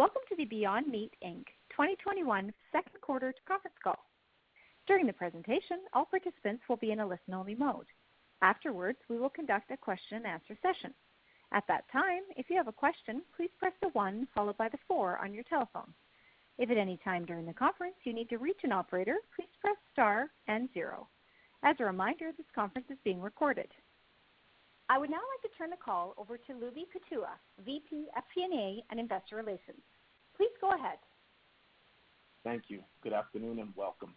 Welcome to the Beyond Meat, Inc., 2021 Second Quarter Conference Call. During the presentation all participants will be in a listen only mode. Afterwards, we will conduct a question and answer session. At that time if you have a question please press the one followed by the four on your telephone keypad. If at anytime during the conference you need to reach to an operator please press star and zero. As a reminder this conference is being recorded. I would now like to turn the call over to Lubi Kutua, VP FP&A and Investor Relations. Please go ahead. Thank you. Good afternoon and welcome.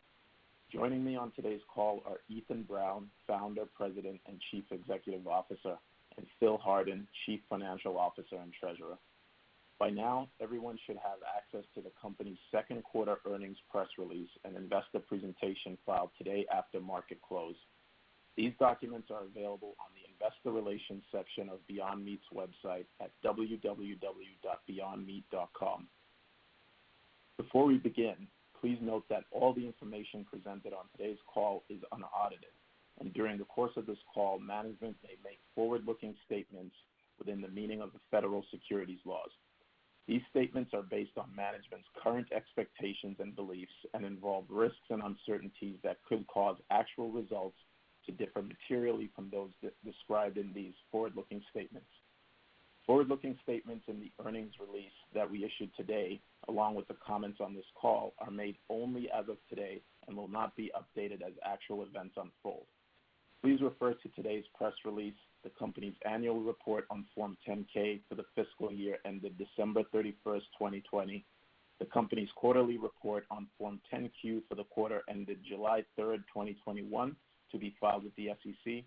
Joining me on today's call are Ethan Brown, Founder, President, and Chief Executive Officer, and Phil Hardin, Chief Financial Officer and Treasurer. By now, everyone should have access to the company's second quarter earnings press release and investor presentation filed today after market close. These documents are available on the Investor Relations section of Beyond Meat's website at www.beyondmeat.com. Before we begin, please note that all the information presented on today's call is unaudited. During the course of this call, management may make forward-looking statements within the meaning of the federal securities laws. These statements are based on management's current expectations and beliefs and involve risks and uncertainties that could cause actual results to differ materially from those described in these forward-looking statements. Forward-looking statements in the earnings release that we issued today, along with the comments on this call, are made only as of today and will not be updated as actual events unfold. Please refer to today's press release, the company's annual report on Form 10-K for the fiscal year ended December 31, 2020, the company's quarterly report on Form 10-Q for the quarter ended July 3, 2021, to be filed with the SEC,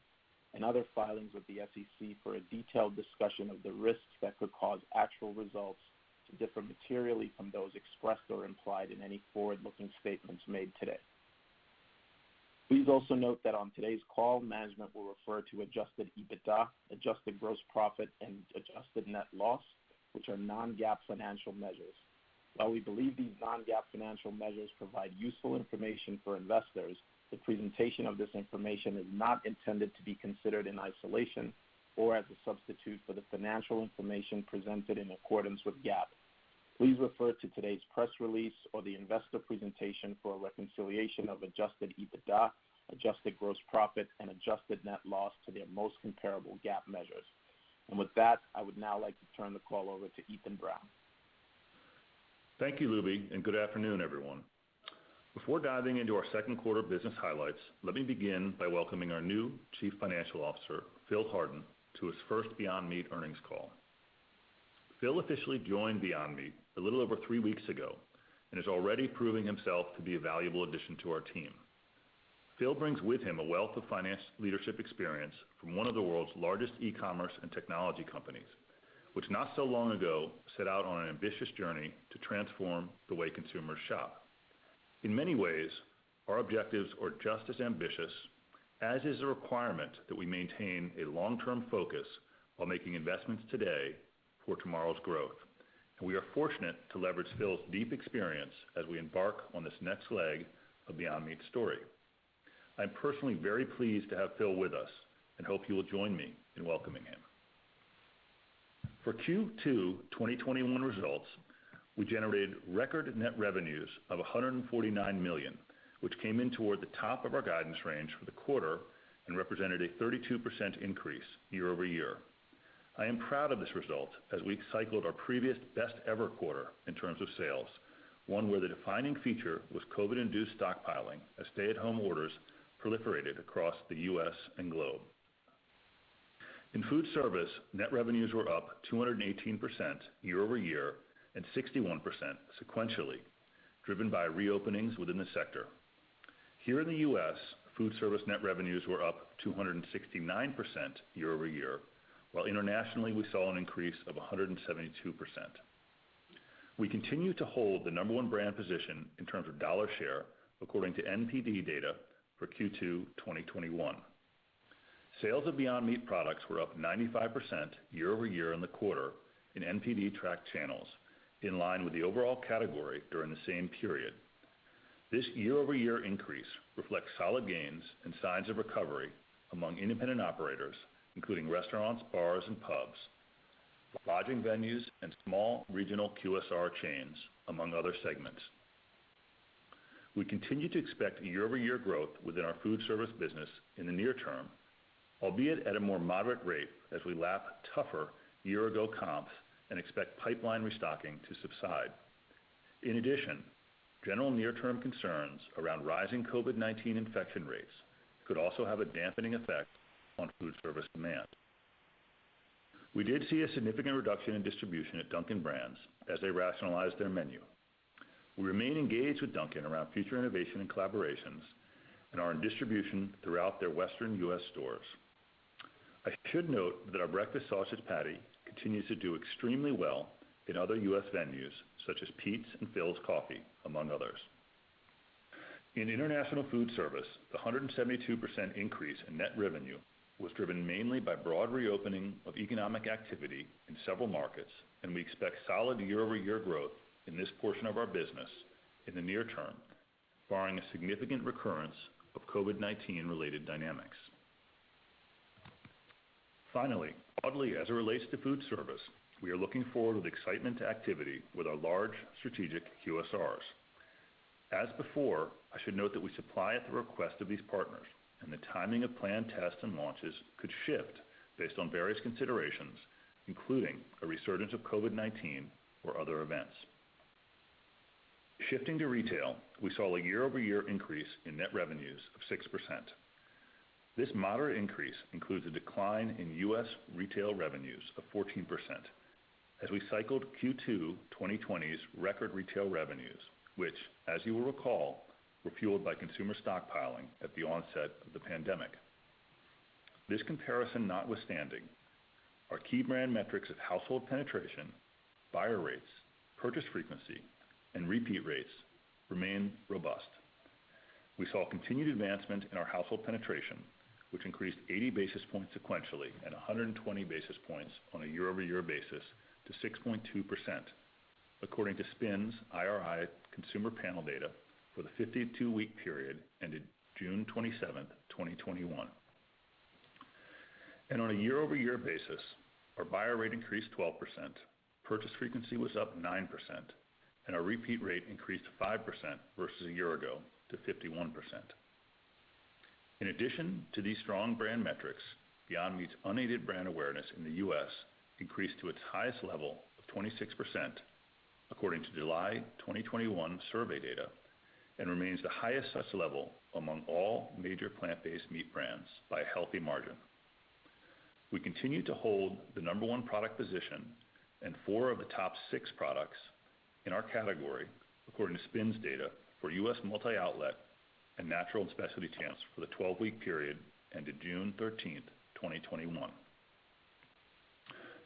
and other filings with the SEC for a detailed discussion of the risks that could cause actual results to differ materially from those expressed or implied in any forward-looking statements made today. Please also note that on today's call, management will refer to adjusted EBITDA, adjusted gross profit, and adjusted net loss, which are non-GAAP financial measures. While we believe these non-GAAP financial measures provide useful information for investors, the presentation of this information is not intended to be considered in isolation or as a substitute for the financial information presented in accordance with GAAP. Please refer to today's press release or the investor presentation for a reconciliation of adjusted EBITDA, adjusted gross profit, and adjusted net loss to their most comparable GAAP measures. With that, I would now like to turn the call over to Ethan Brown. Thank you, Lubi, and good afternoon, everyone. Before diving into our second quarter business highlights, let me begin by welcoming our new Chief Financial Officer, Phil Hardin, to his first Beyond Meat earnings call. Phil officially joined Beyond Meat a little over three weeks ago and is already proving himself to be a valuable addition to our team. Phil brings with him a wealth of finance leadership experience from one of the world's largest e-commerce and technology companies, which not so long ago set out on an ambitious journey to transform the way consumers shop. In many ways, our objectives are just as ambitious, as is the requirement that we maintain a long-term focus while making investments today for tomorrow's growth, and we are fortunate to leverage Phil's deep experience as we embark on this next leg of Beyond Meat's story. I'm personally very pleased to have Phil with us and hope you will join me in welcoming him. For Q2 2021 results, we generated record net revenues of $149 million, which came in toward the top of our guidance range for the quarter and represented a 32% increase year-over-year. I am proud of this result as we cycled our previous best-ever quarter in terms of sales, one where the defining feature was COVID-induced stockpiling as stay-at-home orders proliferated across the U.S. and globe. In foodservice, net revenues were up 218% year-over-year and 61% sequentially, driven by reopenings within the sector. Here in the U.S., foodservice net revenues were up 269% year-over-year, while internationally, we saw an increase of 172%. We continue to hold the number one brand position in terms of dollar share, according to NPD data for Q2 2021. Sales of Beyond Meat products were up 95% year-over-year in the quarter in NPD tracked channels, in line with the overall category during the same period. This year-over-year increase reflects solid gains and signs of recovery among independent operators, including restaurants, bars and pubs, lodging venues, and small regional QSR chains, among other segments. We continue to expect year-over-year growth within our foodservice business in the near term, albeit at a more moderate rate as we lap tougher year-ago comps and expect pipeline restocking to subside. In addition, general near-term concerns around rising COVID-19 infection rates could also have a dampening effect on foodservice demand. We did see a significant reduction in distribution at Dunkin' Brands as they rationalized their menu. We remain engaged with Dunkin' around future innovation and collaborations and are in distribution throughout their western U.S. stores. I should note that our breakfast sausage patty continues to do extremely well in other U.S. venues such as Peet's and Philz Coffee, among others. In international foodservice, the 172% increase in net revenue was driven mainly by broad reopening of economic activity in several markets. We expect solid year-over-year growth in this portion of our business in the near term, barring a significant recurrence of COVID-19 related dynamics. Finally, broadly as it relates to foodservice, we are looking forward with excitement to activity with our large strategic QSRs. As before, I should note that we supply at the request of these partners. The timing of planned tests and launches could shift based on various considerations, including a resurgence of COVID-19 or other events. Shifting to retail, we saw a year-over-year increase in net revenues of 6%. This moderate increase includes a decline in U.S. retail revenues of 14%, as we cycled Q2 2020's record retail revenues, which, as you will recall, were fueled by consumer stockpiling at the onset of the pandemic. This comparison notwithstanding, our key brand metrics of household penetration, buyer rates, purchase frequency, and repeat rates remain robust. We saw continued advancement in our household penetration, which increased 80 basis points sequentially and 120 basis points on a year-over-year basis to 6.2%, according to SPINS IRI consumer panel data for the 52-week period ended June 27, 2021. On a year-over-year basis, our buyer rate increased 12%, purchase frequency was up 9%, and our repeat rate increased five percent versus a year ago to 51%. In addition to these strong brand metrics, Beyond Meat's unaided brand awareness in the U.S. increased to its highest level of 26%, according to July 2021 survey data, and remains the highest such level among all major plant-based meat brands by a healthy margin. We continue to hold the number 1 product position and four of the top six products in our category, according to SPINS data for U.S. multi-outlet and natural and specialty channels for the 12-week period ended June 13, 2021.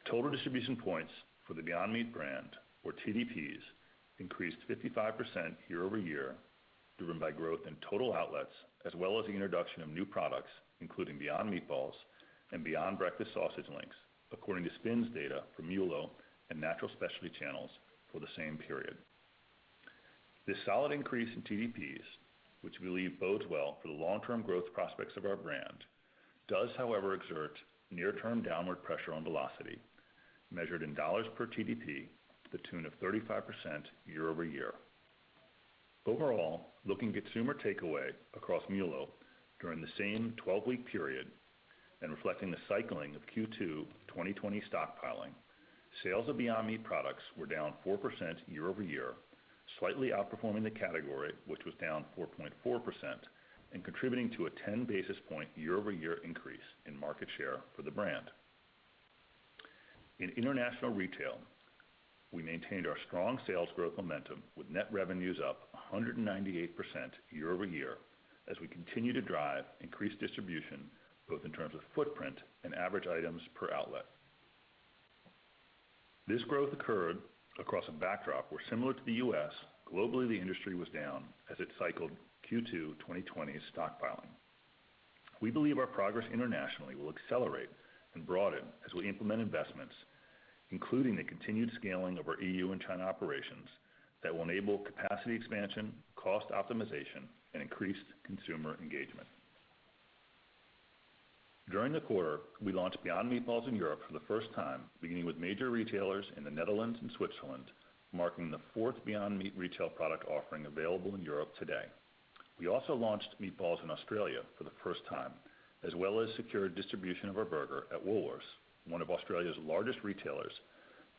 Total distribution points for the Beyond Meat brand, or TDPs, increased 55% year-over-year, driven by growth in total outlets, as well as the introduction of new products, including Beyond Meatballs and Beyond Breakfast Sausage Links, according to SPINS data for MULO and natural specialty channels for the same period. This solid increase in TDPs, which we believe bodes well for the long-term growth prospects of our brand, does however exert near-term downward pressure on velocity, measured in dollars per TDP to the tune of 35% year-over-year. Looking at consumer takeaway across MULO during the same 12-week period and reflecting the cycling of Q2 2020 stockpiling, sales of Beyond Meat products were down 4% year-over-year, slightly outperforming the category, which was down 4.4% and contributing to a 10 basis point year-over-year increase in market share for the brand. In international retail, we maintained our strong sales growth momentum with net revenues up 198% year-over-year as we continue to drive increased distribution, both in terms of footprint and average items per outlet. This growth occurred across a backdrop where similar to the U.S., globally the industry was down as it cycled Q2 2020 stockpiling. We believe our progress internationally will accelerate and broaden as we implement investments, including the continued scaling of our EU and China operations that will enable capacity expansion, cost optimization, and increased consumer engagement. During the quarter, we launched Beyond Meatballs in Europe for the first time, beginning with major retailers in the Netherlands and Switzerland, marking the fourth Beyond Meat retail product offering available in Europe today. We also launched meatballs in Australia for the first time, as well as secured distribution of our burger at Woolworths, one of Australia's largest retailers,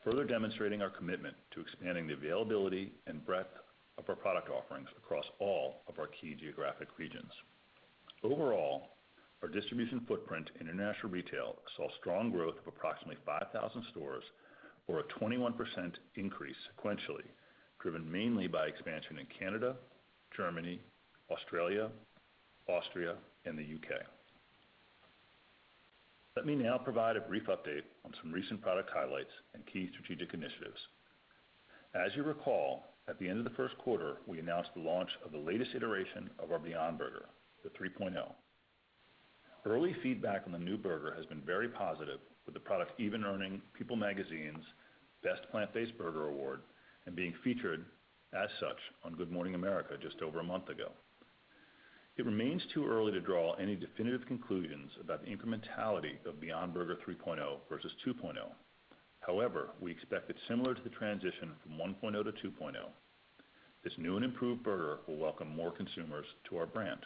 further demonstrating our commitment to expanding the availability and breadth of our product offerings across all of our key geographic regions. Overall, our distribution footprint in international retail saw strong growth of approximately 5,000 stores or a 21% increase sequentially, driven mainly by expansion in Canada, Germany, Australia, Austria, and the U.K. Let me now provide a brief update on some recent product highlights and key strategic initiatives. As you recall, at the end of the first quarter, we announced the launch of the latest iteration of our Beyond Burger, the 3.0. Early feedback on the new burger has been very positive, with the product even earning People Magazine's Best Plant-Based Burger award and being featured as such on Good Morning America just over a month ago. It remains too early to draw any definitive conclusions about the incrementality of Beyond Burger 3.0 versus 2.0. However, we expect that similar to the transition from 1.0-2.0, this new and improved burger will welcome more consumers to our brand.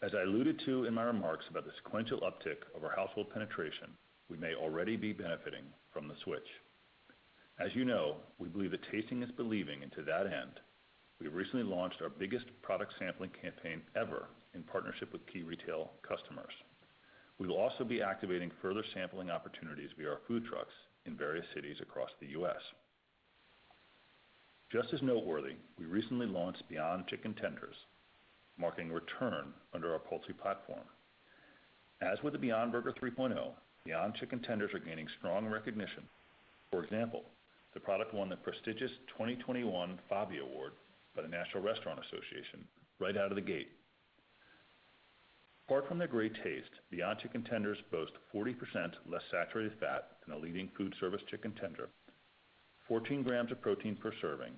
As I alluded to in my remarks about the sequential uptick of our household penetration, we may already be benefiting from the switch. As you know, we believe that tasting is believing, and to that end, we recently launched our biggest product sampling campaign ever in partnership with key retail customers. We will also be activating further sampling opportunities via our food trucks in various cities across the U.S. Just as noteworthy, we recently launched Beyond Chicken Tenders, marking a return under our poultry platform. As with the Beyond Burger 3.0, Beyond Chicken Tenders are gaining strong recognition. For example, the product won the prestigious 2021 FABI Award by the National Restaurant Association right out of the gate. Apart from their great taste, Beyond Chicken Tenders boast 40% less saturated fat than a leading foodservice chicken tender, 14 grams of protein per serving,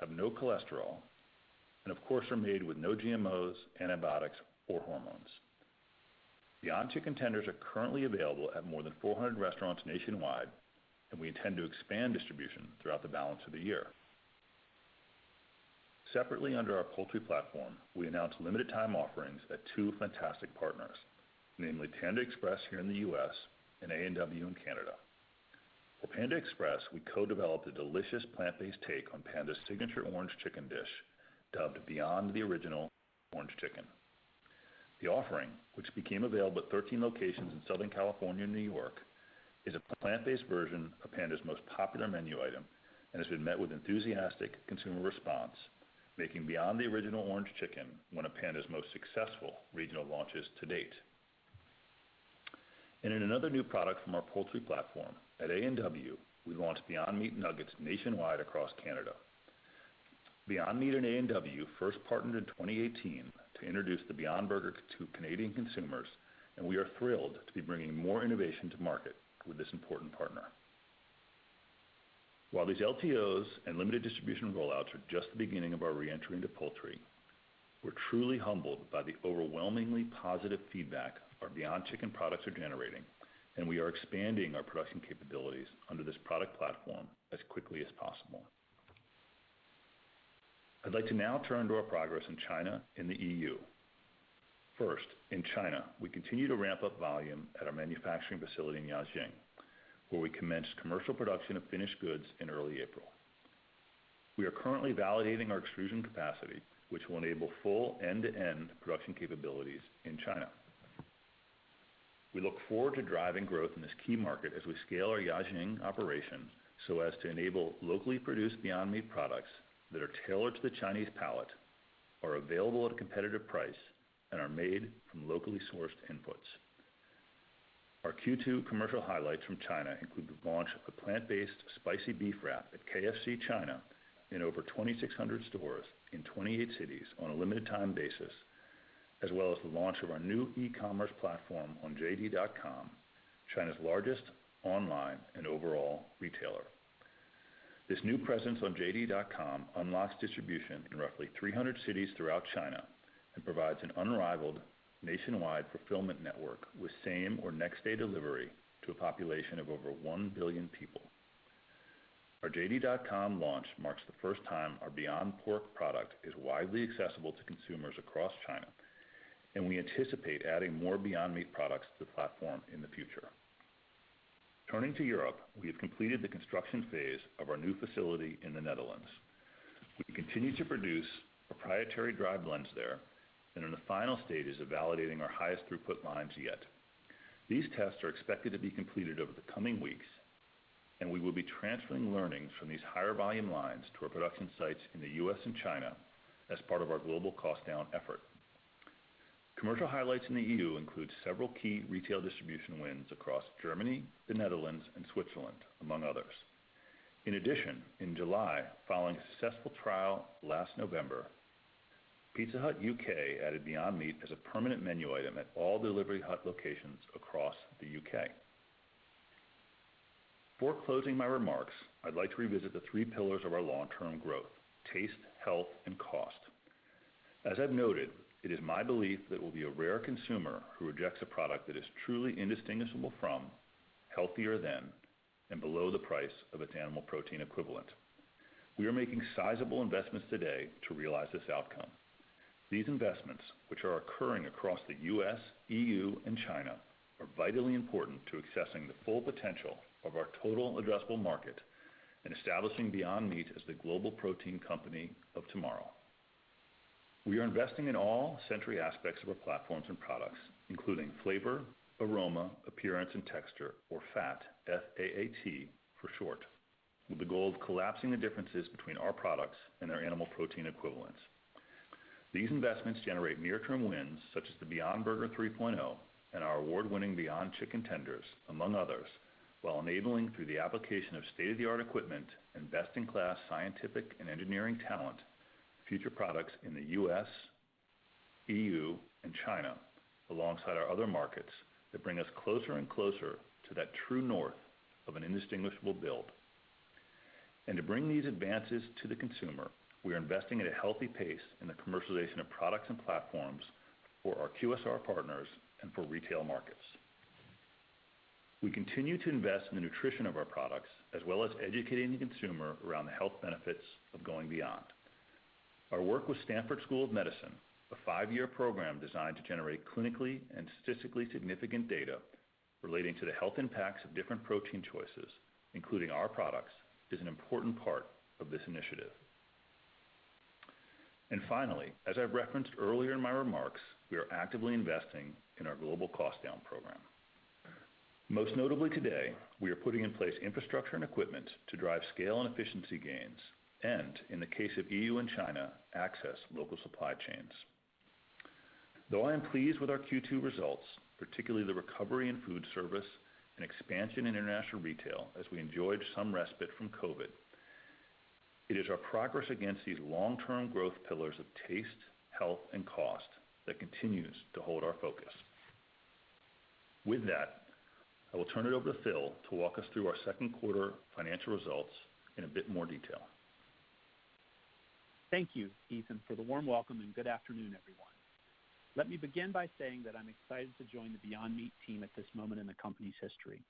have no cholesterol, and of course, are made with no GMOs, antibiotics, or hormones. Beyond Chicken Tenders are currently available at more than 400 restaurants nationwide, and we intend to expand distribution throughout the balance of the year. Separately, under our poultry platform, we announced limited time offerings at two fantastic partners, namely Panda Express here in the U.S. and A&W in Canada. For Panda Express, we co-developed a delicious plant-based take on Panda's signature orange chicken dish, dubbed Beyond The Original Orange Chicken. The offering, which became available at 13 locations in Southern California and New York, is a plant-based version of Panda's most popular menu item and has been met with enthusiastic consumer response, making Beyond The Original Orange Chicken one of Panda's most successful regional launches to date. In another new product from our poultry platform, at A&W, we launched Beyond Meat Nuggets nationwide across Canada. Beyond Meat and A&W first partnered in 2018 to introduce the Beyond Burger to Canadian consumers. We are thrilled to be bringing more innovation to market with this important partner. While these LTOs and limited distribution rollouts are just the beginning of our re-entry into poultry, we're truly humbled by the overwhelmingly positive feedback our Beyond Chicken products are generating. We are expanding our production capabilities under this product platform as quickly as possible. I'd like to now turn to our progress in China and the EU. First, in China, we continue to ramp up volume at our manufacturing facility in Jiaxing, where we commenced commercial production of finished goods in early April. We are currently validating our extrusion capacity, which will enable full end-to-end production capabilities in China. We look forward to driving growth in this key market as we scale our Jiaxing operation so as to enable locally produced Beyond Meat products that are tailored to the Chinese palate, are available at a competitive price, and are made from locally sourced inputs. Our Q2 commercial highlights from China include the launch of a plant-based spicy beef wrap at KFC China in over 2,600 stores in 28 cities on a limited time basis, as well as the launch of our new e-commerce platform on JD.com, China's largest online and overall retailer. This new presence on JD.com unlocks distribution in roughly 300 cities throughout China and provides an unrivaled nationwide fulfillment network with same or next-day delivery to a population of over 1 billion people. Our JD.com launch marks the first time our Beyond Pork product is widely accessible to consumers across China, and we anticipate adding more Beyond Meat products to the platform in the future. Turning to Europe, we have completed the construction phase of our new facility in the Netherlands. We continue to produce proprietary dry blends there and are in the final stages of validating our highest throughput lines yet. These tests are expected to be completed over the coming weeks, and we will be transferring learnings from these higher volume lines to our production sites in the U.S. and China as part of our global cost-down effort. Commercial highlights in the EU include several key retail distribution wins across Germany, the Netherlands, and Switzerland, among others. In addition, in July, following a successful trial last November, Pizza Hut UK added Beyond Meat as a permanent menu item at all Delivery Hut locations across the U.K. Before closing my remarks, I'd like to revisit the three pillars of our long-term growth, taste, health, and cost. As I've noted, it is my belief that it will be a rare consumer who rejects a product that is truly indistinguishable from, healthier than, and below the price of its animal protein equivalent. We are making sizable investments today to realize this outcome. These investments, which are occurring across the U.S., EU, and China, are vitally important to accessing the full potential of our total addressable market and establishing Beyond Meat as the global protein company of tomorrow. We are investing in all sensory aspects of our platforms and products, including flavor, aroma, appearance, and texture, or FAAT, F-A-A-T for short, with the goal of collapsing the differences between our products and our animal protein equivalents. These investments generate near-term wins, such as the Beyond Burger 3.0 and our award-winning Beyond Chicken Tenders, among others, while enabling through the application of state-of-the-art equipment and best-in-class scientific and engineering talent, future products in the U.S., EU, and China, alongside our other markets, that bring us closer and closer to that true north of an indistinguishable build. To bring these advances to the consumer, we are investing at a healthy pace in the commercialization of products and platforms for our QSR partners and for retail markets. We continue to invest in the nutrition of our products, as well as educating the consumer around the health benefits of going beyond. Our work with Stanford University School of Medicine, a five-year program designed to generate clinically and statistically significant data relating to the health impacts of different protein choices, including our products, is an important part of this initiative. Finally, as I referenced earlier in my remarks, we are actively investing in our global cost-down program. Most notably today, we are putting in place infrastructure and equipment to drive scale and efficiency gains, and in the case of EU and China, access local supply chains. Though I am pleased with our Q2 results, particularly the recovery in foodservice and expansion in international retail as we enjoyed some respite from COVID-19, it is our progress against these long-term growth pillars of taste, health, and cost that continues to hold our focus. With that, I will turn it over to Phil to walk us through our second quarter financial results in a bit more detail. Thank you, Ethan, for the warm welcome. Good afternoon, everyone. Let me begin by saying that I'm excited to join the Beyond Meat team at this moment in the company's history.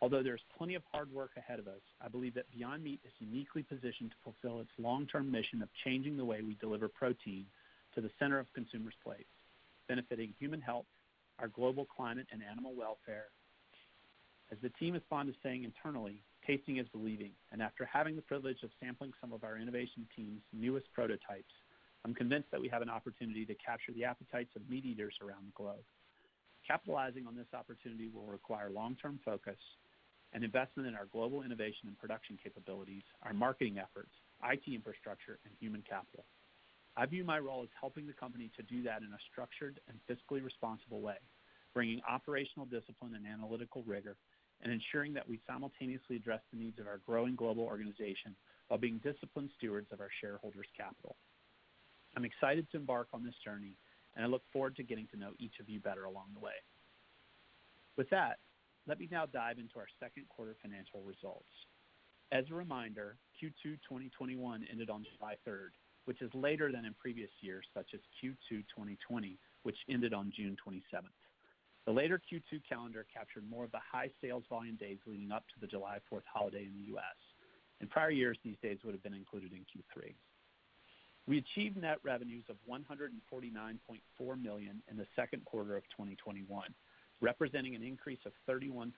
Although there's plenty of hard work ahead of us, I believe that Beyond Meat is uniquely positioned to fulfill its long-term mission of changing the way we deliver protein to the center of consumers' plates, benefiting human health, our global climate, and animal welfare. As the team is fond of saying internally, tasting is believing. After having the privilege of sampling some of our innovation team's newest prototypes, I'm convinced that we have an opportunity to capture the appetites of meat eaters around the globe. Capitalizing on this opportunity will require long-term focus and investment in our global innovation and production capabilities, our marketing efforts, IT infrastructure, and human capital. I view my role as helping the company to do that in a structured and fiscally responsible way, bringing operational discipline and analytical rigor, and ensuring that we simultaneously address the needs of our growing global organization while being disciplined stewards of our shareholders' capital. I'm excited to embark on this journey, and I look forward to getting to know each of you better along the way. Let me now dive into our second quarter financial results. As a reminder, Q2 2021 ended on July 3rd, which is later than in previous years, such as Q2 2020, which ended on June 27th. The later Q2 calendar captured more of the high sales volume days leading up to the July 4th holiday in the U.S. In prior years, these days would've been included in Q3. We achieved net revenues of $149.4 million in the second quarter of 2021, representing an increase of 31.8%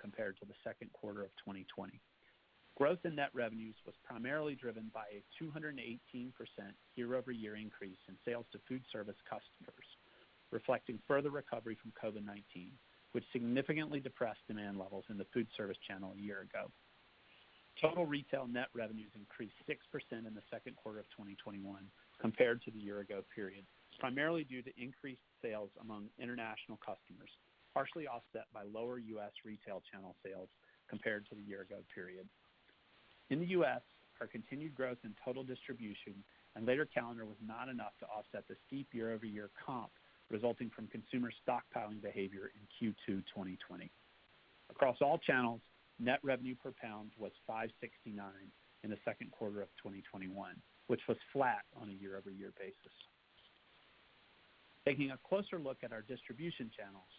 compared to the second quarter of 2020. Growth in net revenues was primarily driven by a 218% year-over-year increase in sales to foodservice customers, reflecting further recovery from COVID-19, which significantly depressed demand levels in the foodservice channel a year ago. Total retail net revenues increased 6% in the second quarter of 2021 compared to the year ago period, primarily due to increased sales among international customers, partially offset by lower U.S. retail channel sales compared to the year ago period. In the U.S., our continued growth in total distribution and later calendar was not enough to offset the steep year-over-year comp resulting from consumer stockpiling behavior in Q2 2020. Across all channels, net revenue per pound was $5.69 in the second quarter of 2021, which was flat on a year-over-year basis. Taking a closer look at our distribution channels,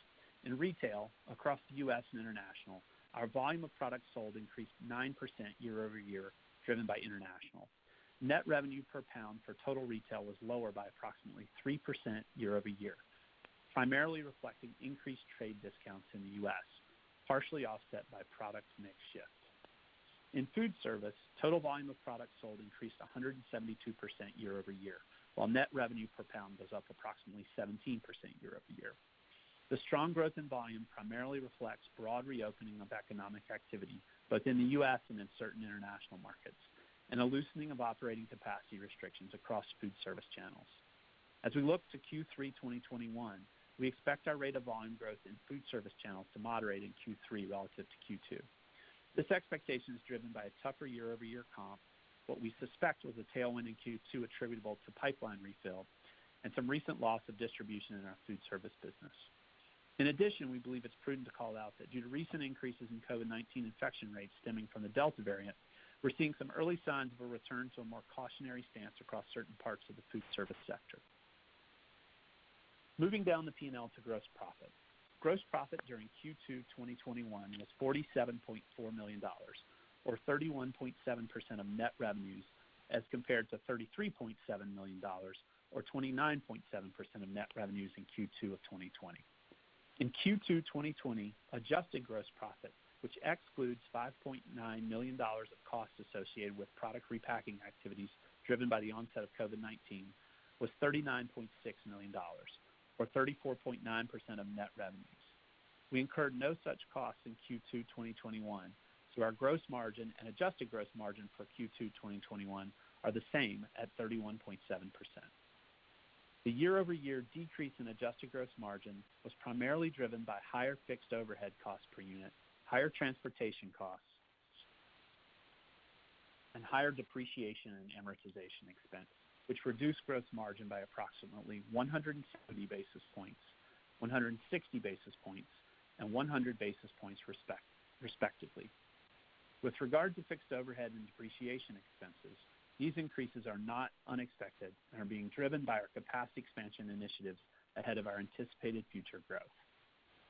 in retail across the U.S. and international, our volume of product sold increased 9% year-over-year, driven by international. Net revenue per pound for total retail was lower by approximately 3% year-over-year, primarily reflecting increased trade discounts in the U.S., partially offset by product mix shifts. In foodservice, total volume of product sold increased 172% year-over-year, while net revenue per pound was up approximately 17% year-over-year. The strong growth in volume primarily reflects broad reopening of economic activity both in the U.S. and in certain international markets, and a loosening of operating capacity restrictions across foodservice channels. As we look to Q3 2021, we expect our rate of volume growth in foodservice channels to moderate in Q3 relative to Q2. This expectation is driven by a tougher year-over-year comp, what we suspect was a tailwind in Q2 attributable to pipeline refill, and some recent loss of distribution in our foodservice business. In addition, we believe it's prudent to call out that due to recent increases in COVID-19 infection rates stemming from the Delta variant, we're seeing some early signs of a return to a more cautionary stance across certain parts of the foodservice sector. Moving down the P&L to gross profit. Gross profit during Q2 2021 was $47.4 million, or 31.7% of net revenues, as compared to $33.7 million, or 29.7% of net revenues in Q2 of 2020. In Q2 2020, adjusted gross profit, which excludes $5.9 million of costs associated with product repacking activities driven by the onset of COVID-19, was $39.6 million, or 34.9% of net revenues. We incurred no such costs in Q2 2021, so our gross margin and adjusted gross margin for Q2 2021 are the same at 31.7%. The year-over-year decrease in adjusted gross margin was primarily driven by higher fixed overhead costs per unit, higher transportation costs, and higher depreciation and amortization expense, which reduced gross margin by approximately 170 basis points, 160 basis points, and 100 basis points respectively. With regard to fixed overhead and depreciation expenses, these increases are not unexpected and are being driven by our capacity expansion initiatives ahead of our anticipated future growth.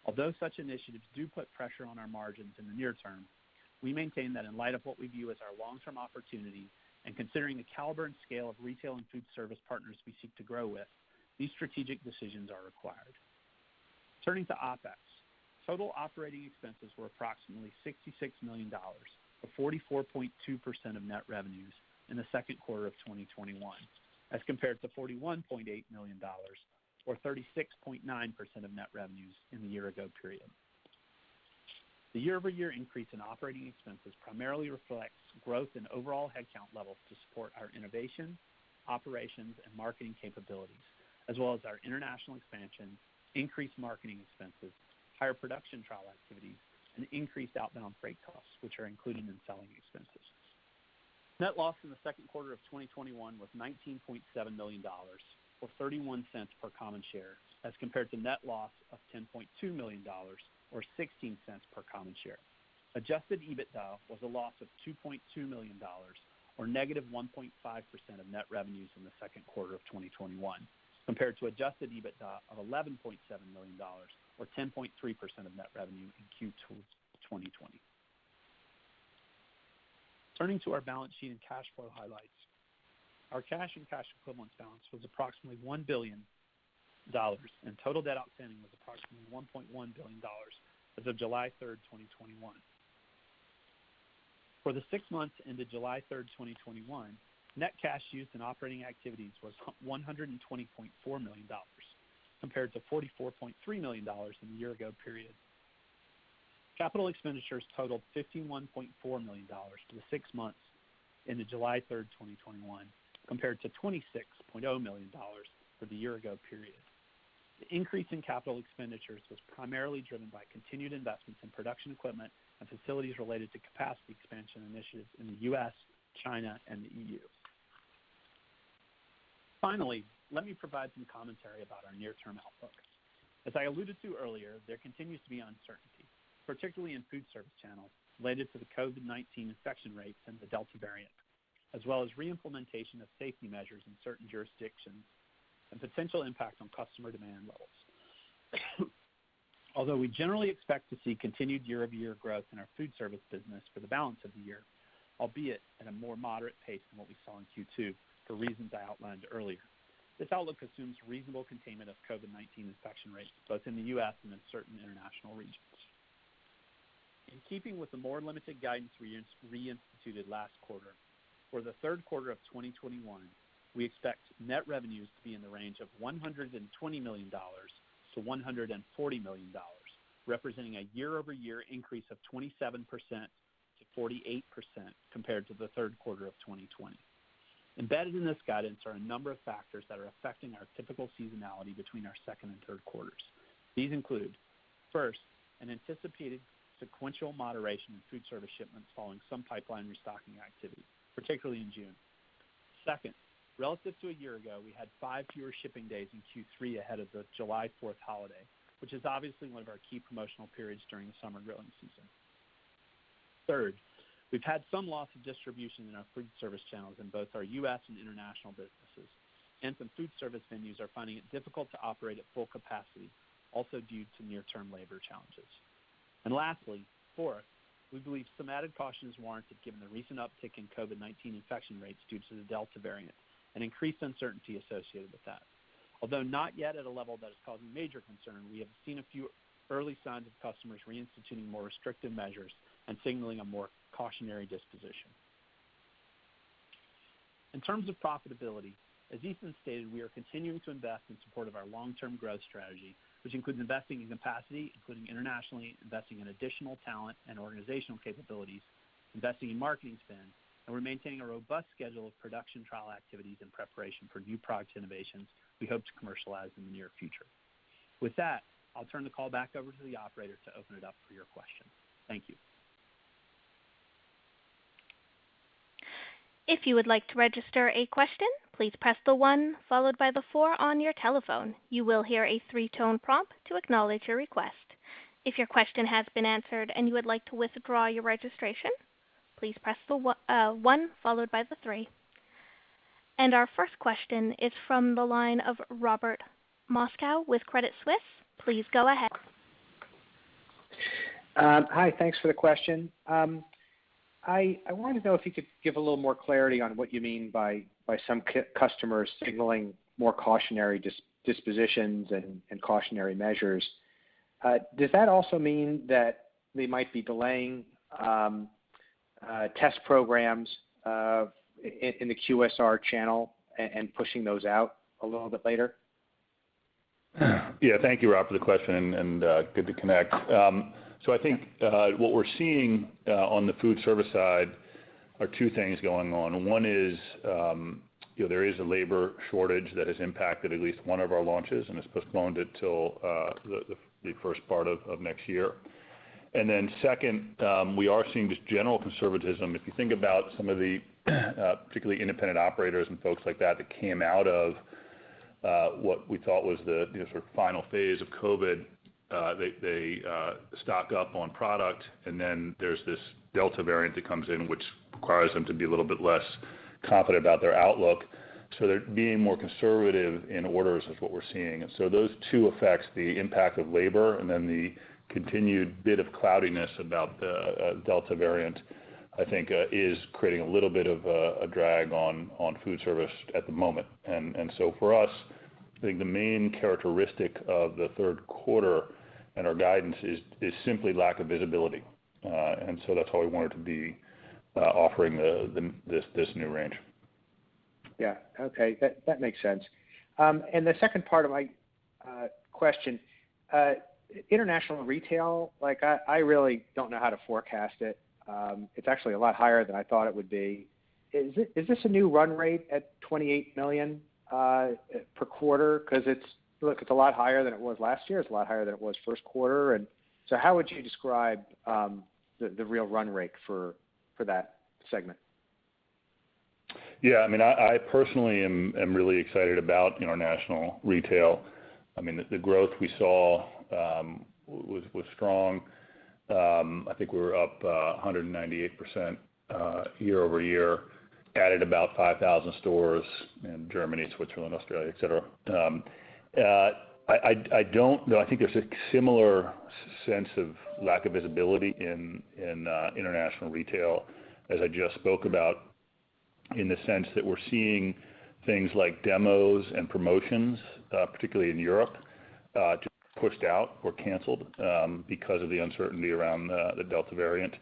Although such initiatives do put pressure on our margins in the near term, we maintain that in light of what we view as our long-term opportunity and considering the caliber and scale of retail and foodservice partners we seek to grow with, these strategic decisions are required. Turning to OpEx. Total operating expenses were approximately $66 million, or 44.2% of net revenues, in the second quarter of 2021, as compared to $41.8 million, or 36.9% of net revenues in the year ago period. The year-over-year increase in operating expenses primarily reflects growth in overall headcount levels to support our innovation, operations, and marketing capabilities, as well as our international expansion, increased marketing expenses, higher production trial activities, and increased outbound freight costs, which are included in selling expenses. Net loss in the second quarter of 2021 was $19.7 million, or $0.31 per common share, as compared to net loss of $10.2 million or $0.16 per common share. Adjusted EBITDA was a loss of $2.2 million, or -1.5% of net revenues in the second quarter of 2021, compared to adjusted EBITDA of $11.7 million, or 10.3% of net revenue in Q2 2020. Turning to our balance sheet and cash flow highlights. Our cash and cash equivalents balance was approximately $1 billion, and total debt outstanding was approximately $1.1 billion as of July 3rd, 2021. For the six months ended July 3, 2021, net cash used in operating activities was $120.4 million, compared to $44.3 million in the year ago period. Capital expenditures totaled $51.4 million for the six months ended July 3, 2021, compared to $26.0 million for the year ago period. The increase in capital expenditures was primarily driven by continued investments in production equipment and facilities related to capacity expansion initiatives in the U.S., China, and the EU. Finally, let me provide some commentary about our near-term outlook. As I alluded to earlier, there continues to be uncertainty, particularly in foodservice channels related to the COVID-19 infection rates and the Delta variant, as well as re-implementation of safety measures in certain jurisdictions and potential impact on customer demand levels. Although we generally expect to see continued year-over-year growth in our foodservice business for the balance of the year, albeit at a more moderate pace than what we saw in Q2 for reasons I outlined earlier. This outlook assumes reasonable containment of COVID-19 infection rates, both in the U.S. and in certain international regions. In keeping with the more limited guidance we instituted last quarter, for the third quarter of 2021, we expect net revenues to be in the range of $120 million-$140 million, representing a year-over-year increase of 27%-48% compared to the third quarter of 2020. Embedded in this guidance are a number of factors that are affecting our typical seasonality between our second and third quarters. These include, first, an anticipated sequential moderation in foodservice shipments following some pipeline restocking activity, particularly in June. Second, relative to a year ago, we had five fewer shipping days in Q3 ahead of the July 4th holiday, which is obviously 1 of our key promotional periods during the summer grilling season. Third, we've had some loss of distribution in our foodservice channels in both our U.S. and international businesses, and some foodservice venues are finding it difficult to operate at full capacity, also due to near-term labor challenges. Lastly, fourth, we believe some added caution is warranted given the recent uptick in COVID-19 infection rates due to the Delta variant and increased uncertainty associated with that. Although not yet at a level that is causing major concern, we have seen a few early signs of customers reinstituting more restrictive measures and signaling a more cautionary disposition. In terms of profitability, as Ethan stated, we are continuing to invest in support of our long-term growth strategy, which includes investing in capacity, including internationally, investing in additional talent and organizational capabilities, investing in marketing spend. We're maintaining a robust schedule of production trial activities in preparation for new product innovations we hope to commercialize in the near future. With that, I'll turn the call back over to the operator to open it up for your questions. Thank you. If you would like to register a question, please press the one followed by the four on your telephone. You will hear a three-tone prompt to acknowledge your request. If your question has been answered and you would like to withdraw your registration, please press the one followed by the three. Our first question is from the line of Robert Moskow with Credit Suisse. Please go ahead. Hi, thanks for the question. I wanted to know if you could give a little more clarity on what you mean by some customers signaling more cautionary dispositions and cautionary measures. Does that also mean that they might be delaying test programs in the QSR channel and pushing those out a little bit later? Thank you, Rob, for the question. Good to connect. I think what we're seeing on the foodservice side are two things going on. One is there is a labor shortage that has impacted at least one of our launches and has postponed it till the first part of next year. Second, we are seeing just general conservatism. If you think about some of the particularly independent operators and folks like that that came out of what we thought was the sort of final phase of COVID, they stock up on product, and then there's this Delta variant that comes in which requires them to be a little bit less confident about their outlook. They're being more conservative in orders is what we're seeing. Those two effects, the impact of labor and then the continued bit of cloudiness about the Delta variant, I think is creating a little bit of a drag on foodservice at the moment. For us, I think the main characteristic of the third quarter and our guidance is simply lack of visibility. That's why we wanted to be offering this new range. Yeah. Okay. That makes sense. The second part of my question, international retail, I really don't know how to forecast it. It's actually a lot higher than I thought it would be. Is this a new run rate at $28 million per quarter? It's a lot higher than it was last year. It's a lot higher than it was first quarter. How would you describe the real run rate for that segment? Yeah, I personally am really excited about international retail. The growth we saw was strong. I think we were up 198% year-over-year, added about 5,000 stores in Germany, Switzerland, Australia, et cetera. I don't know, I think there's a similar sense of lack of visibility in international retail as I just spoke about, in the sense that we're seeing things like demos and promotions, particularly in Europe, pushed out or canceled because of the uncertainty around the Delta variant.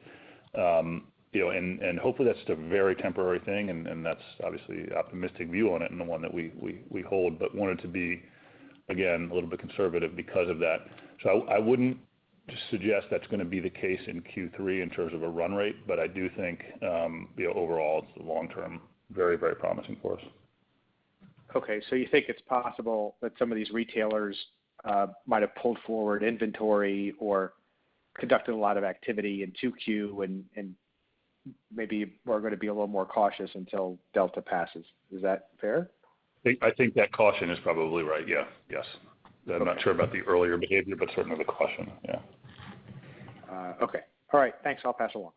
Hopefully that's just a very temporary thing, and that's obviously the optimistic view on it and the one that we hold. Wanted to be, again, a little bit conservative because of that. I wouldn't suggest that's going to be the case in Q3 in terms of a run rate, but I do think, overall, it's long-term very promising for us. Okay. You think it's possible that some of these retailers might have pulled forward inventory or conducted a lot of activity in 2Q and maybe are going to be a little more cautious until Delta passes. Is that fair? I think that caution is probably right, yeah. Yes. I'm not sure about the earlier behavior, but certainly the caution. Yeah. Okay. All right, thanks. I'll pass along.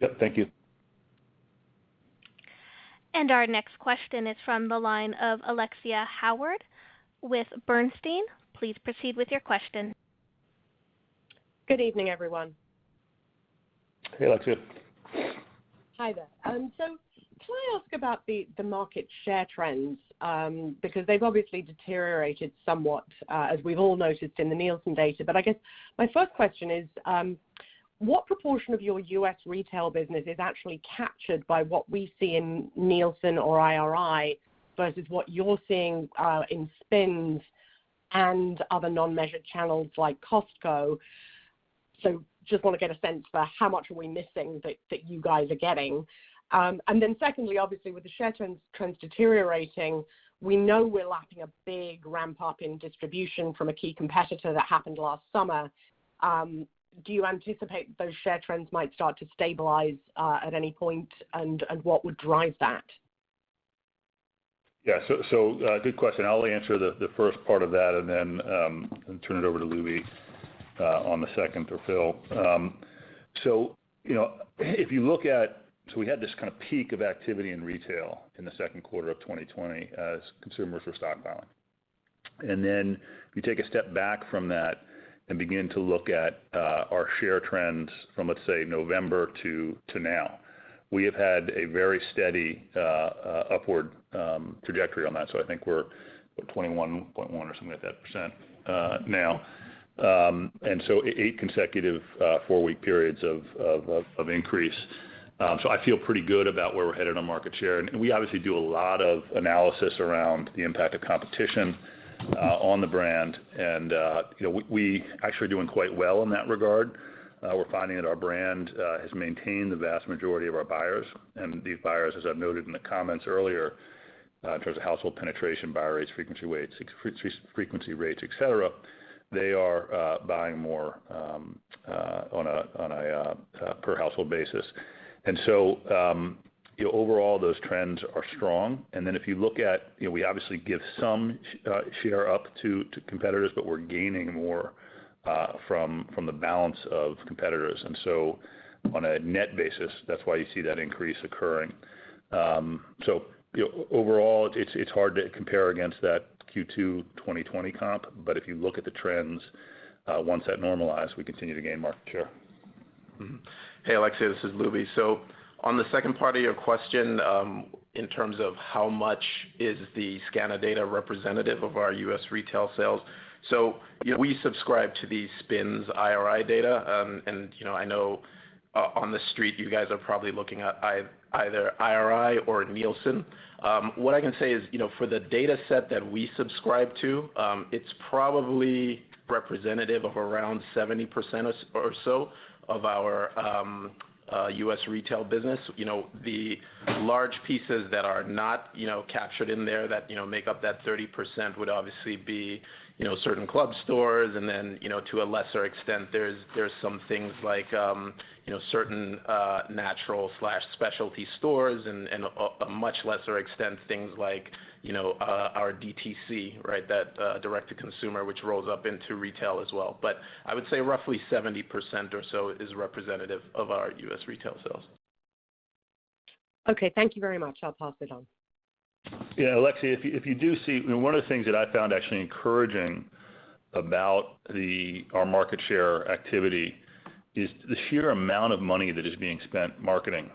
Yep, thank you. Our next question is from the line of Alexia Howard with Bernstein. Please proceed with your question. Good evening everyone. Hey, Alexia. Hi there. Can I ask about the market share trends? They've obviously deteriorated somewhat, as we've all noticed in the Nielsen data. I guess my first question is, what proportion of your U.S. retail business is actually captured by what we see in Nielsen or IRI, versus what you're seeing in SPINS and other non-measured channels like Costco? Just want to get a sense for how much are we missing that you guys are getting. Secondly, obviously, with the share trends deteriorating, we know we're lacking a big ramp-up in distribution from a key competitor that happened last summer. Do you anticipate those share trends might start to stabilize at any point, and what would drive that? Good question. I'll answer the first part of that and then turn it over to Lubi on the second, or Phil. We had this kind of peak of activity in retail in the second quarter of 2020 as consumers were stockpiling. You take a step back from that and begin to look at our share trends from, let's say, November to now. We have had a very steady upward trajectory on that. I think we're 21.1% or something like that now. Eight consecutive four-week periods of increase. I feel pretty good about where we're headed on market share. We obviously do a lot of analysis around the impact of competition on the brand, and we're actually doing quite well in that regard. We're finding that our brand has maintained the vast majority of our buyers. These buyers, as I've noted in the comments earlier, in terms of household penetration, buyer rates, frequency rates, et cetera, they are buying more on a per household basis. Overall, those trends are strong. If you look at, we obviously give some share up to competitors, but we're gaining more from the balance of competitors. On a net basis, that's why you see that increase occurring. Overall, it's hard to compare against that Q2 2020 comp, but if you look at the trends, once that normalized, we continue to gain market share. Hey, Alexia, this is Lubi. On the second part of your question, in terms of how much is the scanner data representative of our U.S. retail sales? We subscribe to the SPINS IRI data, and I know on the street, you guys are probably looking at either IRI or Nielsen. What I can say is, for the data set that we subscribe to, it's probably representative of around 70% or so of our U.S. retail business. The large pieces that are not captured in there that make up that 30% would obviously be certain club stores, and then, to a lesser extent, there's some things like certain natural/specialty stores and a much lesser extent things like our DTC, right? That direct to consumer, which rolls up into retail as well. I would say roughly 70% or so is representative of our U.S. retail sales. Okay. Thank you very much. I'll pass it on. Alexia, One of the things that I found actually encouraging about our market share activity is the sheer amount of money that is being spent marketing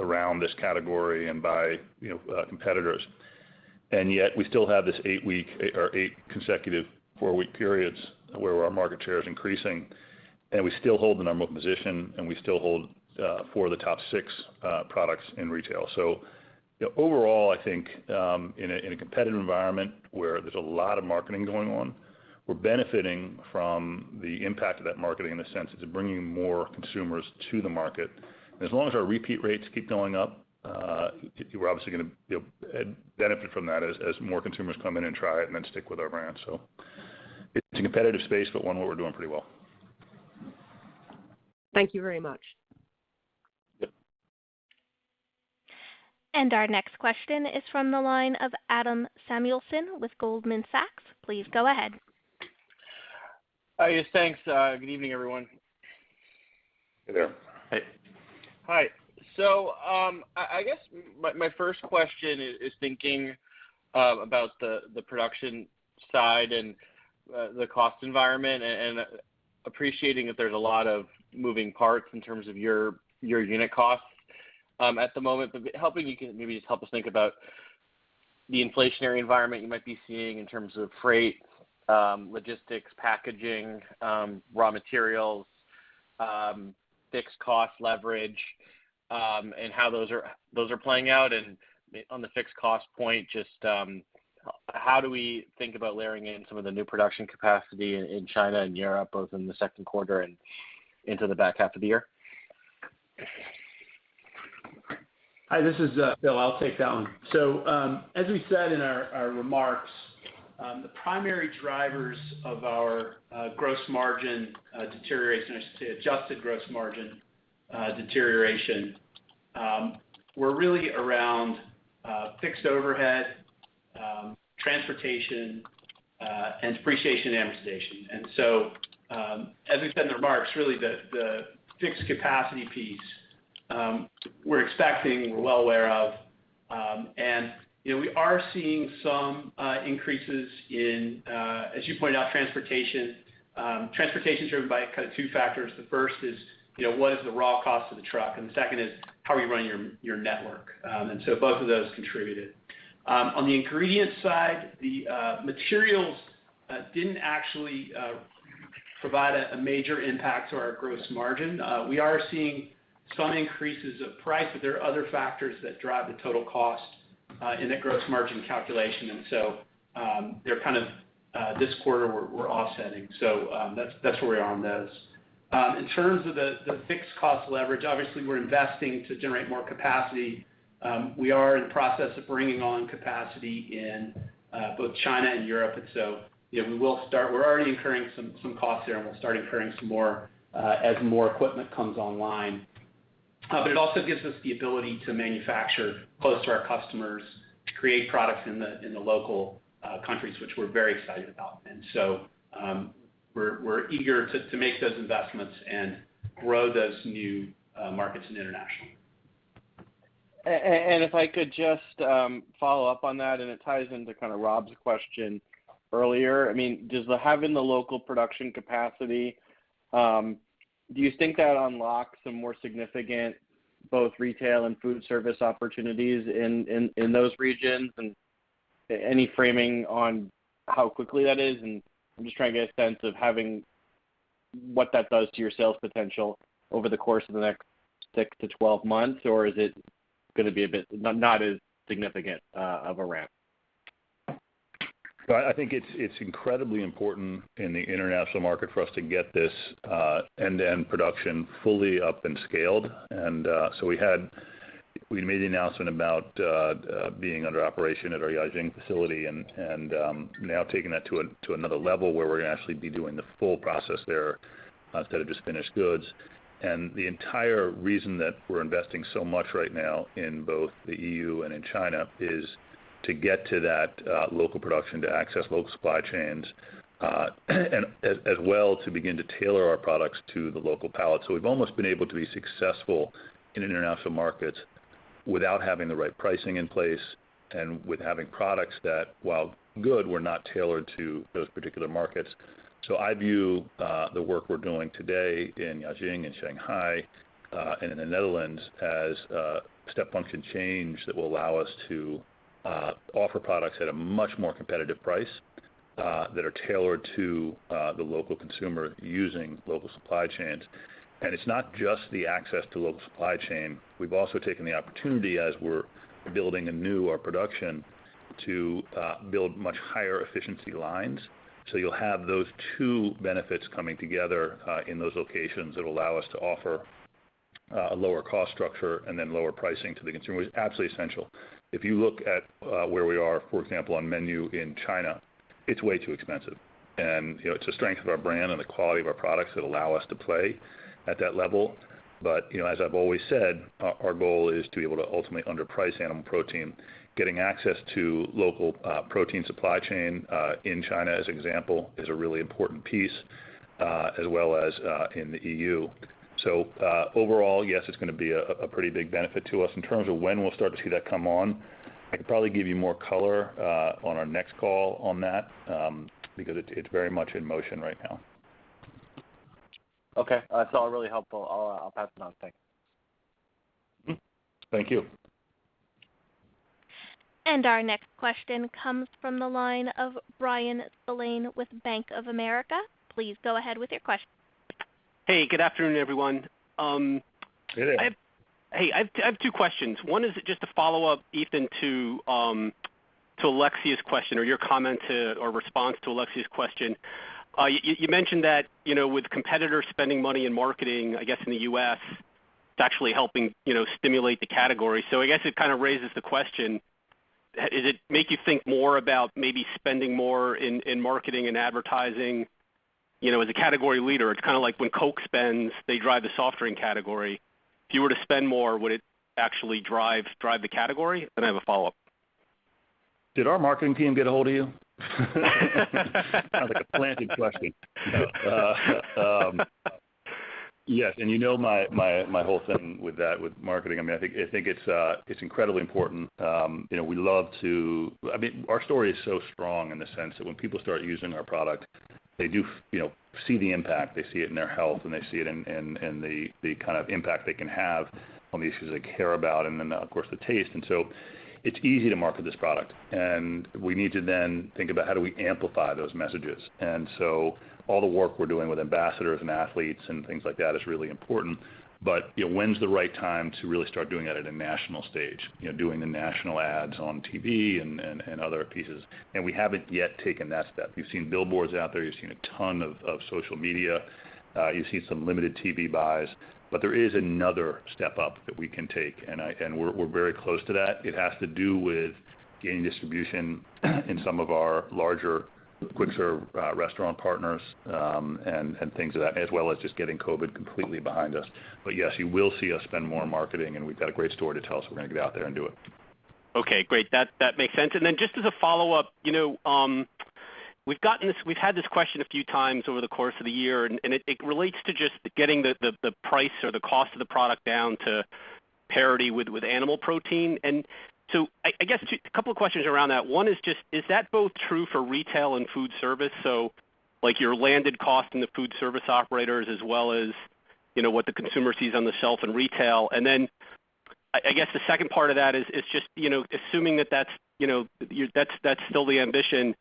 around this category and by competitors. Yet we still have this eight consecutive four-week periods where our market share is increasing, and we still hold the number 1 position and we still hold four of the top six products in retail. Overall, I think, in a competitive environment where there's a lot of marketing going on, we're benefiting from the impact of that marketing in the sense that it's bringing more consumers to the market. As long as our repeat rates keep going up, we're obviously going to benefit from that as more consumers come in and try it and then stick with our brand. It's a competitive space, but one where we're doing pretty well. Thank you very much. Our next question is from the line of Adam Samuelson with Goldman Sachs. Please go ahead. Yes, thanks. Good evening, everyone. Hey there. Hey. Hi. I guess my first question is thinking about the production side and the cost environment and appreciating that there's a lot of moving parts in terms of your unit costs at the moment, but maybe just help us think about the inflationary environment you might be seeing in terms of freight, logistics, packaging, raw materials, fixed cost leverage, and how those are playing out. On the fixed cost point, just how do we think about layering in some of the new production capacity in China and Europe, both in the second quarter and into the back half of the year? Hi, this is Phil. I'll take that one. As we said in our remarks, the primary drivers of our gross margin deterioration, I should say adjusted gross margin deterioration, were really around fixed overhead, transportation, and depreciation amortization. As we said in the remarks, really the fixed capacity piece we're expecting, we're well aware of. We are seeing some increases in, as you pointed out, transportation. Transportation's driven by two factors. The first is, what is the raw cost of the truck, and the second is how are you running your network? Both of those contributed. On the ingredient side, the materials didn't actually provide a major impact to our gross margin. We are seeing some increases of price, there are other factors that drive the total cost in the gross margin calculation. They're kind of this quarter we're offsetting. That's where we are on those. In terms of the fixed cost leverage, obviously, we're investing to generate more capacity. We are in the process of bringing on capacity in both China and Europe. We're already incurring some costs there, and we'll start incurring some more as more equipment comes online. It also gives us the ability to manufacture close to our customers, create products in the local countries, which we're very excited about. We're eager to make those investments and grow those new markets in international. If I could just follow up on that, it ties into kind of Rob's question earlier. Does having the local production capacity, do you think that unlocks some more significant, both retail and foodservice opportunities in those regions? Any framing on how quickly that is? I'm just trying to get a sense of having what that does to your sales potential over the course of the next 6-12 months, or is it going to be a bit not as significant of a ramp? I think it's incredibly important in the international market for us to get this end-to-end production fully up and scaled. We made the announcement about being under operation at our Jiaxing facility and now taking that to another level where we're going to actually be doing the full process there instead of just finished goods. The entire reason that we're investing so much right now in both the EU and in China is to get to that local production, to access local supply chains, and as well to begin to tailor our products to the local palate. We've almost been able to be successful in international markets without having the right pricing in place and with having products that, while good, were not tailored to those particular markets. I view the work we're doing today in Jiaxing and Shanghai, and in the Netherlands as a step function change that will allow us to offer products at a much more competitive price that are tailored to the local consumer using local supply chains. It's not just the access to local supply chain. We've also taken the opportunity as we're building anew our production, to build much higher efficiency lines. You'll have those two benefits coming together in those locations that allow us to offer a lower cost structure and then lower pricing to the consumer, is absolutely essential. If you look at where we are, for example, on menu in China, it's way too expensive. It's the strength of our brand and the quality of our products that allow us to play at that level. As I've always said, our goal is to be able to ultimately underprice animal protein. Getting access to local protein supply chain in China, as an example, is a really important piece, as well as in the EU. Overall, yes, it's going to be a pretty big benefit to us. In terms of when we'll start to see that come on, I could probably give you more color on our next call on that, because it's very much in motion right now. Okay. That's all really helpful. I'll pass it on. Thanks. Thank you. Our next question comes from the line of Bryan Spillane with Bank of America. Please go ahead with your question. Good evening. Hey there. Hey, I have two questions. One is just a follow-up, Ethan, to Alexia's question, or your comment or response to Alexia's question. You mentioned that with competitors spending money in marketing, I guess, in the U.S., it's actually helping stimulate the category. I guess it kind of raises the question. Does it make you think more about maybe spending more in marketing and advertising? As a category leader, it's kind of like when Coke spends, they drive the soft drink category. If you were to spend more, would it actually drive the category? I have a follow-up. Did our marketing team get ahold of you? Sounds like a planted question. Yes. You know my whole thing with that, with marketing. I think it's incredibly important. Our story is so strong in the sense that when people start using our product, they do see the impact. They see it in their health, and they see it in the kind of impact they can have on the issues they care about. Then of course, the taste. It's easy to market this product. We need to then think about how do we amplify those messages. All the work we're doing with ambassadors and athletes and things like that is really important. When's the right time to really start doing that at a national stage? Doing the national ads on TV and other pieces. We haven't yet taken that step. You've seen billboards out there. You've seen a ton of social media. You've seen some limited TV buys. There is another step up that we can take, and we're very close to that. It has to do with gaining distribution in some of our larger quick serve restaurant partners, and things of that, as well as just getting COVID completely behind us. Yes, you will see us spend more on marketing, and we've got a great story to tell, so we're going to get out there and do it. Okay, great. That makes sense. Just as a follow-up, we've had this question a few times over the course of the year, and it relates to just getting the price or the cost of the product down to parity with animal protein. I guess a couple of questions around that. One is just, is that both true for retail and foodservice? Your landed cost in the foodservice operators as well as what the consumer sees on the shelf in retail. I guess the second part of that is just assuming that's still the ambition,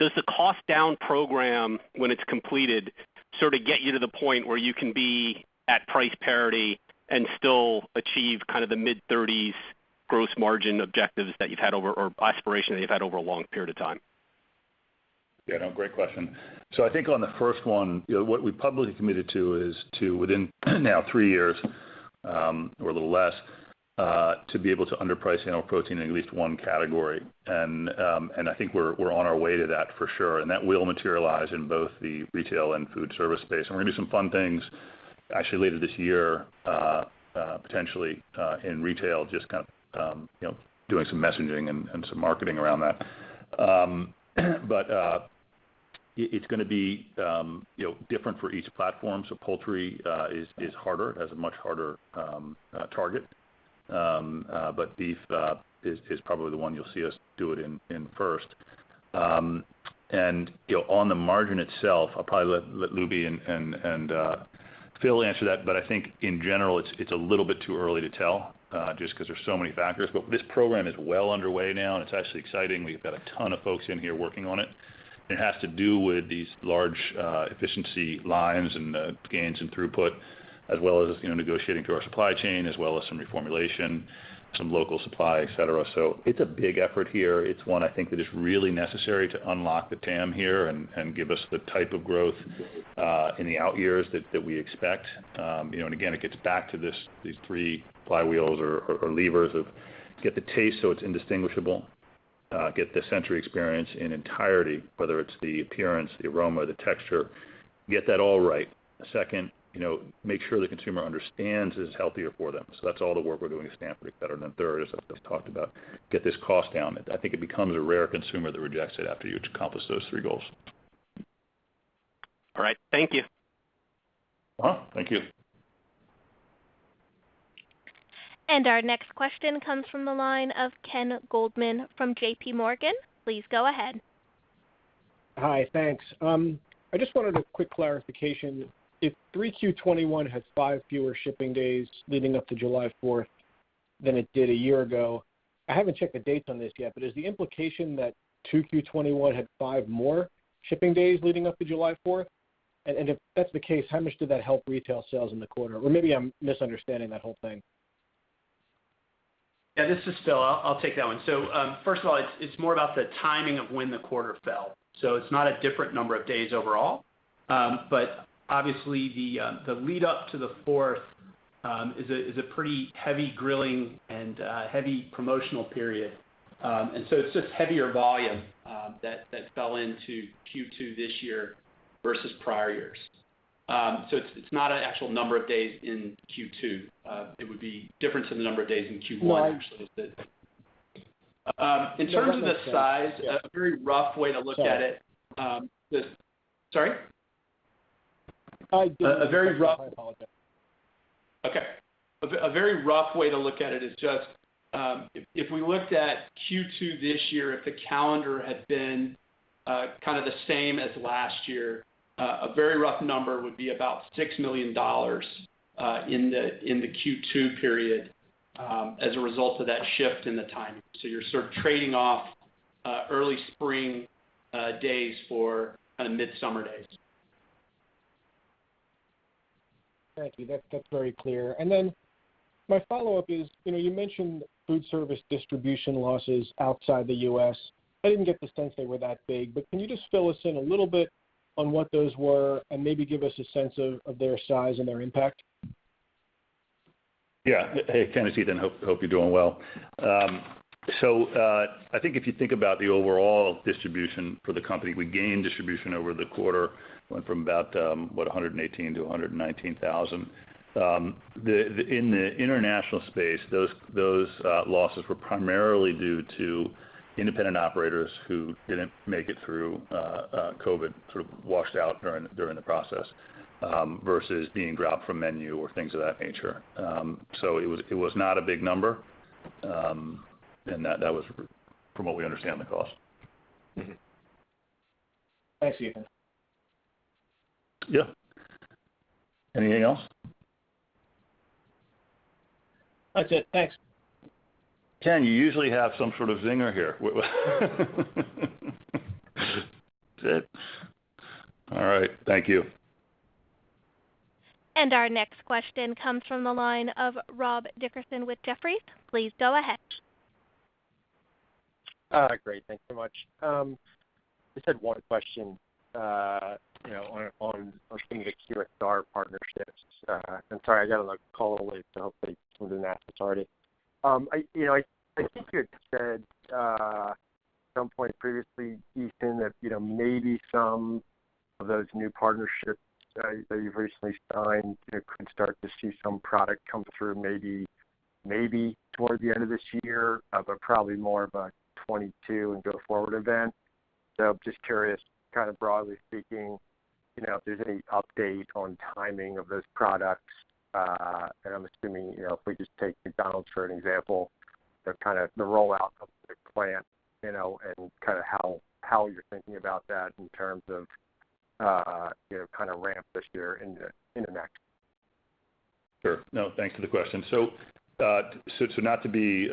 does the cost down program, when it's completed, sort of get you to the point where you can be at price parity and still achieve kind of the mid-30s gross margin objectives or aspiration that you've had over a long period of time? Great question. I think on the first one, what we publicly committed to is to within now three years, or a little less, to be able to underprice animal protein in at least one category. I think we're on our way to that for sure. That will materialize in both the retail and foodservice space. We're going to do some fun things, actually later this year, potentially, in retail, just kind of doing some messaging and some marketing around that. It's going to be different for each platform. Poultry is harder. It has a much harder target. Beef is probably the one you'll see us do it in first. On the margin itself, I'll probably let Lubi and Phil answer that, but I think in general, it's a little bit too early to tell, just because there's so many factors. This program is well underway now, and it's actually exciting. We've got a ton of folks in here working on it. It has to do with these large efficiency lines and gains in throughput, as well as negotiating through our supply chain, as well as some reformulation, some local supply, et cetera. It's a big effort here. It's one I think that is really necessary to unlock the TAM here and give us the type of growth in the out years that we expect. Again, it gets back to these three flywheels or levers of get the taste so it's indistinguishable. Get the sensory experience in entirety, whether it's the appearance, the aroma, the texture. Get that all right. Second, make sure the consumer understands it's healthier for them. That's all the work we're doing with Stanford, et cetera. Third is stuff that we've talked about. Get this cost down. I think it becomes a rare consumer that rejects it after you accomplish those three goals. All right. Thank you. Thank you. Our next question comes from the line of Ken Goldman from JPMorgan. Please go ahead. Hi. Thanks. I just wanted a quick clarification. If 3Q 2021 has five fewer shipping days leading up to July 4th than it did a year ago, I haven't checked the dates on this yet, but is the implication that 2Q 2021 had five more shipping days leading up to July 4th? If that's the case, how much did that help retail sales in the quarter? Maybe I'm misunderstanding that whole thing. Yeah, this is Phil. I'll take that one. First of all, it's more about the timing of when the quarter fell. It's not a different number of days overall. Obviously the lead-up to the fourth is a pretty heavy grilling and heavy promotional period. It's just heavier volume that fell into Q2 this year versus prior years. It's not an actual number of days in Q2. It would be difference in the number of days in Q1, actually. Right. In terms of the size. Yeah A very rough way to look at it. Sorry. Sorry? I didn't. I apologize. Okay. A very rough way to look at it is just, if we looked at Q2 this year, if the calendar had been kind of the same as last year, a very rough number would be about $6 million in the Q2 period, as a result of that shift in the timing. You're sort of trading off early spring days for midsummer days. Thank you. That's very clear. My follow-up is, you mentioned foodservice distribution losses outside the U.S. I didn't get the sense they were that big, but can you just fill us in a little bit on what those were and maybe give us a sense of their size and their impact? Hey, Ken. It's Ethan. Hope you're doing well. I think if you think about the overall distribution for the company, we gained distribution over the quarter. Went from about 118,000-119,000. In the international space, those losses were primarily due to independent operators who didn't make it through COVID, sort of washed out during the process, versus being dropped from menu or things of that nature. It was not a big number, and that was, from what we understand, the cost. Mm-hmm. Thanks, Ethan. Yeah. Anything else? That's it. Thanks. Ken, you usually have some sort of zinger here. That's it. All right. Thank you. Our next question comes from the line of Rob Dickerson with Jefferies. Please go ahead. Great. Thanks so much. I just had one question on some of the QSR partnerships. I'm sorry, I got a call late. Hopefully someone didn't ask this already. I think you had said at some point previously, Ethan, that maybe some of those new partnerships that you've recently signed could start to see some product come through maybe toward the end of this year, probably more of a 2022 and go-forward event. I'm just curious, kind of broadly speaking, if there's any update on timing of those products. I'm assuming, if we just take McDonald's for an example, the kind of the rollout of the plan, and how you're thinking about that in terms of ramp this year into next. Sure. No, thanks for the question. Not to be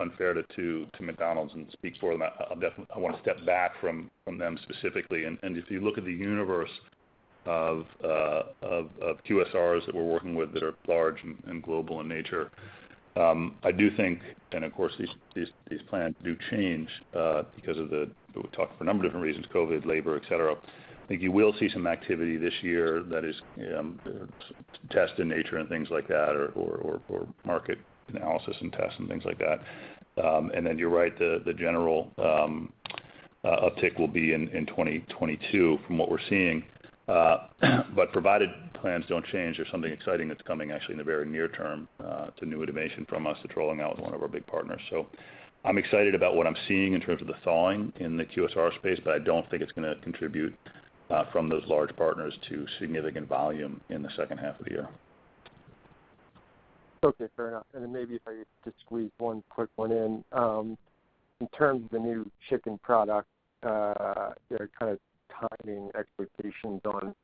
unfair to McDonald's and speak for them, I want to step back from them specifically. If you look at the universe of QSRs that we're working with that are large and global in nature, I do think, and of course, these plans do change because we talked for a number of different reasons, COVID, labor, et cetera. I think you will see some activity this year that is test in nature and things like that, or market analysis and tests and things like that. You're right, the general uptick will be in 2022 from what we're seeing. Provided plans don't change, there's something exciting that's coming actually in the very near term. It's a new innovation from us that's rolling out with one of our big partners. I'm excited about what I'm seeing in terms of the thawing in the QSR space, but I don't think it's going to contribute, from those large partners, to significant volume in the second half of the year. Okay, fair enough. Maybe if I could just squeeze one quick one in. In terms of the new chicken product, their kind of timing expectations on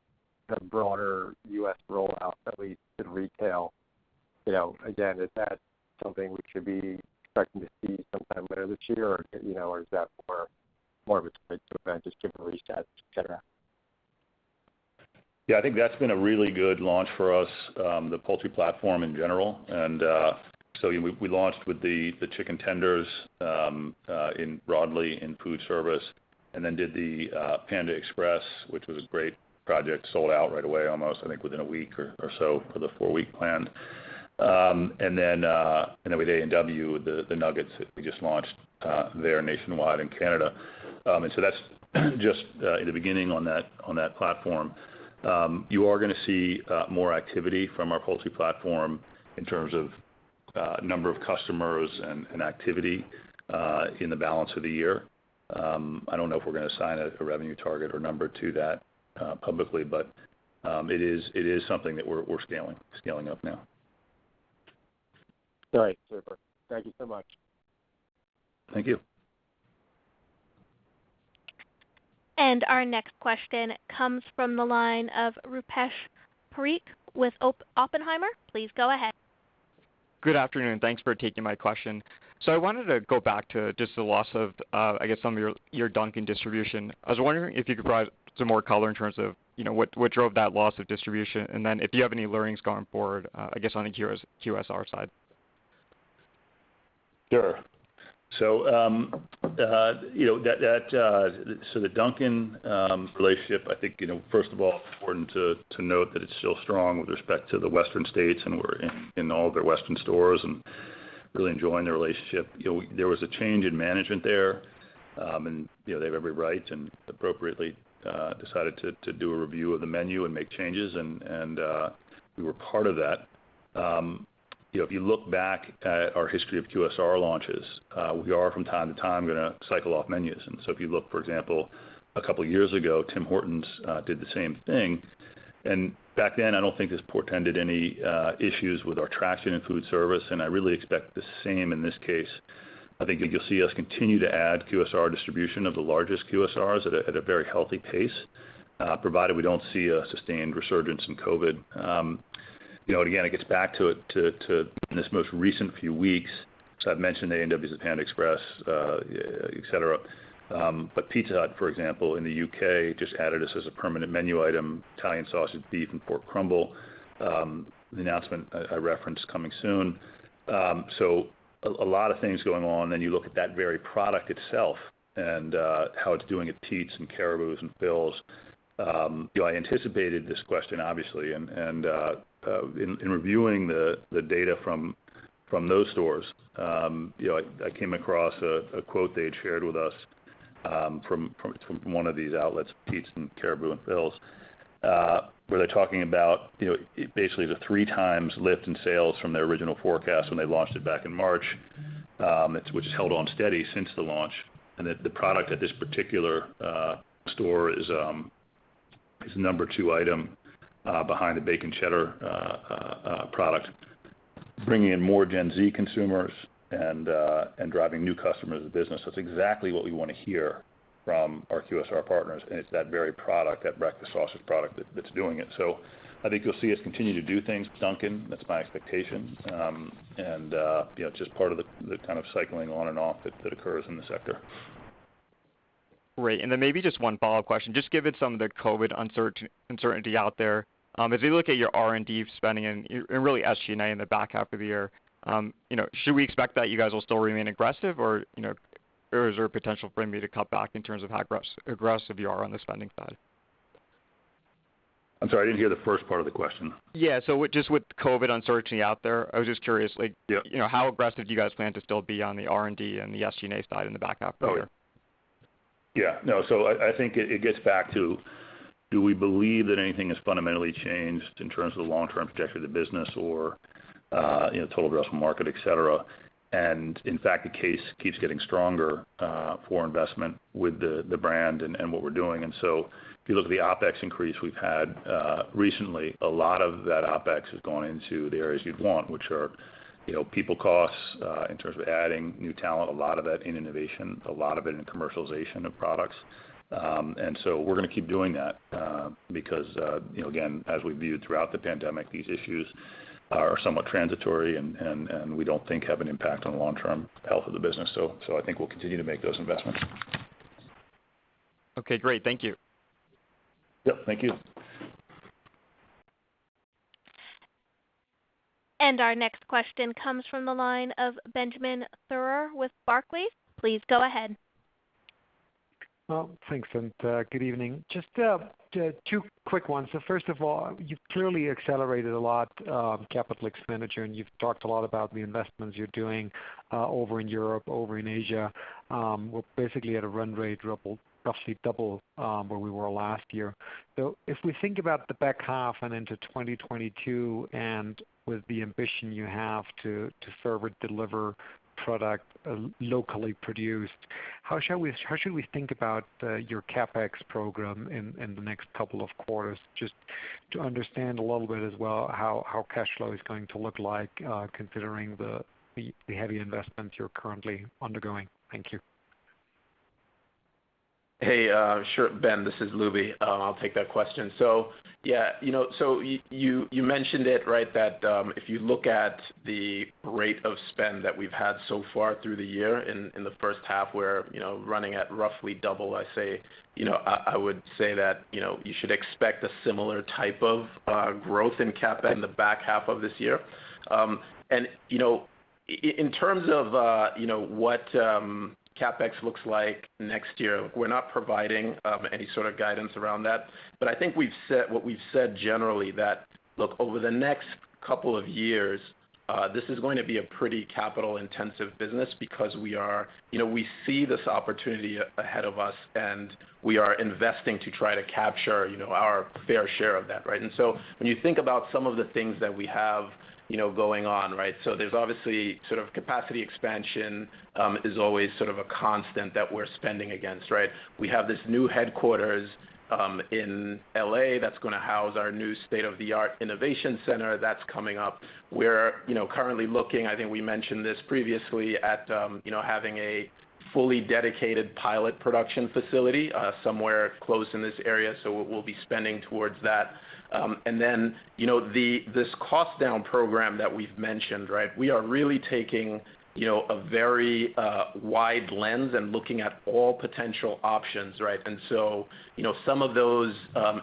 the broader U.S. rollout, at least in retail. Again, is that something we should be expecting to see sometime later this year, or is that more of a trend to event, just different reset, et cetera? Yeah, I think that's been a really good launch for us, the poultry platform in general. We launched with the Beyond Chicken Tenders broadly in foodservice and then did the Panda Express, which was a great project. Sold out right away almost, I think within a week or so for the four-week plan. With A&W, the Beyond Meat Nuggets that we just launched there nationwide in Canada. That's just the beginning on that platform. You are gonna see more activity from our poultry platform in terms of number of customers and activity in the balance of the year. I don't know if we're gonna assign a revenue target or number to that publicly, but it is something that we're scaling up now. All right, super. Thank you so much. Thank you. Our next question comes from the line of Rupesh Parikh with Oppenheimer. Please go ahead. Good afternoon. Thanks for taking my question. I wanted to go back to just the loss of, I guess, some of your Dunkin' distribution. I was wondering if you could provide some more color in terms of what drove that loss of distribution, and then if you have any learnings going forward, I guess on the QSR side. Sure. The Dunkin' relationship, I think, first of all, it's important to note that it's still strong with respect to the Western states, and we're in all of their Western stores and really enjoying the relationship. There was a change in management there, and they have every right and appropriately decided to do a review of the menu and make changes, and we were part of that. If you look back at our history of QSR launches, we are from time to time gonna cycle off menus. If you look, for example, a couple of years ago, Tim Hortons did the same thing. Back then, I don't think this portended any issues with our traction in foodservice, and I really expect the same in this case. I think that you'll see us continue to add QSR distribution of the largest QSRs at a very healthy pace, provided we don't see a sustained resurgence in COVID-19. Again, it gets back to in this most recent few weeks, so I've mentioned A&W with Panda Express, et cetera. Pizza Hut, for example, in the U.K., just added us as a permanent menu item, Italian sausage beef and pork crumble. The announcement I referenced coming soon. A lot of things going on. You look at that very product itself and how it's doing at Peet's and Caribou and Philz. I anticipated this question, obviously, and in reviewing the data from those stores, I came across a quote they had shared with us from one of these outlets, Peet's and Caribou and Philz, where they're talking about basically the three times lift in sales from their original forecast when they launched it back in March, which has held on steady since the launch. That the product at this particular store is the number 2 item behind the bacon cheddar product, bringing in more Gen Z consumers and driving new customers to the business. That's exactly what we want to hear from our QSR partners, and it's that very product, that breakfast sausage product, that's doing it. I think you'll see us continue to do things with Dunkin'. That's my expectation. It's just part of the kind of cycling on and off that occurs in the sector. Great. Then maybe just one follow-up question. Just given some of the COVID-19 uncertainty out there, as we look at your R&D spending and really SG&A in the back half of the year, should we expect that you guys will still remain aggressive or is there a potential for me to cut back in terms of how aggressive you are on the spending side? I'm sorry, I didn't hear the first part of the question. Just with COVID uncertainty out there, I was just curious, how aggressive do you guys plan to still be on the R&D and the SG&A side in the back half of the year? Yeah. No, I think it gets back to do we believe that anything has fundamentally changed in terms of the long-term projection of the business or total addressable market, et cetera. In fact, the case keeps getting stronger for investment with the brand and what we're doing. If you look at the OpEx increase we've had recently, a lot of that OpEx has gone into the areas you'd want, which are people costs in terms of adding new talent, a lot of that in innovation, a lot of it in commercialization of products. We're going to keep doing that because, again, as we viewed throughout the pandemic, these issues are somewhat transitory, and we don't think have an impact on the long-term health of the business. I think we'll continue to make those investments. Okay, great. Thank you. Yep, thank you. Our next question comes from the line of Benjamin Theurer with Barclays. Please go ahead. Well, thanks, and good evening. Just two quick ones. First of all, you've clearly accelerated a lot of CapEx, and you've talked a lot about the investments you're doing over in Europe, over in Asia. We're basically at a run rate roughly double where we were last year. If we think about the back half and into 2022, and with the ambition you have to further deliver product locally produced, how should we think about your CapEx program in the next couple of quarters, just to understand a little bit as well how cash flow is going to look like considering the heavy investments you're currently undergoing? Thank you. Hey, sure. Ben, this is Lubi. I'll take that question. You mentioned it, that if you look at the rate of spend that we've had so far through the year in the first half, we're running at roughly double, I would say that you should expect a similar type of growth in CapEx in the back half of this year. In terms of what CapEx looks like next year, we're not providing any sort of guidance around that. I think what we've said generally that, over the next couple of years, this is going to be a pretty capital-intensive business because we see this opportunity ahead of us, and we are investing to try to capture our fair share of that, right? When you think about some of the things that we have going on. There's obviously capacity expansion is always a constant that we're spending against. We have this new headquarters in L.A. that's going to house our new state-of-the-art innovation center that's coming up. We're currently looking, I think we mentioned this previously, at having a fully dedicated pilot production facility somewhere close in this area, we'll be spending towards that. This cost-down program that we've mentioned. We are really taking a very wide lens and looking at all potential options. Some of those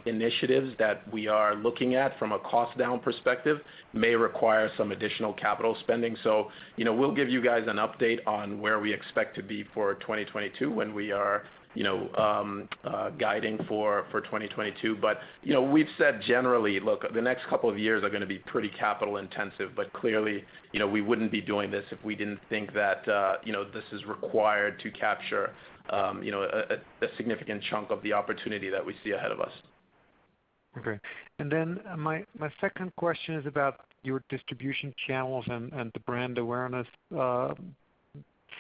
initiatives that we are looking at from a cost-down perspective may require some additional capital spending. We'll give you guys an update on where we expect to be for 2022 when we are guiding for 2022. We've said generally, look, the next two years are going to be pretty capital intensive, but clearly, we wouldn't be doing this if we didn't think that this is required to capture a significant chunk of the opportunity that we see ahead of us. Okay. My second question is about your distribution channels and the brand awareness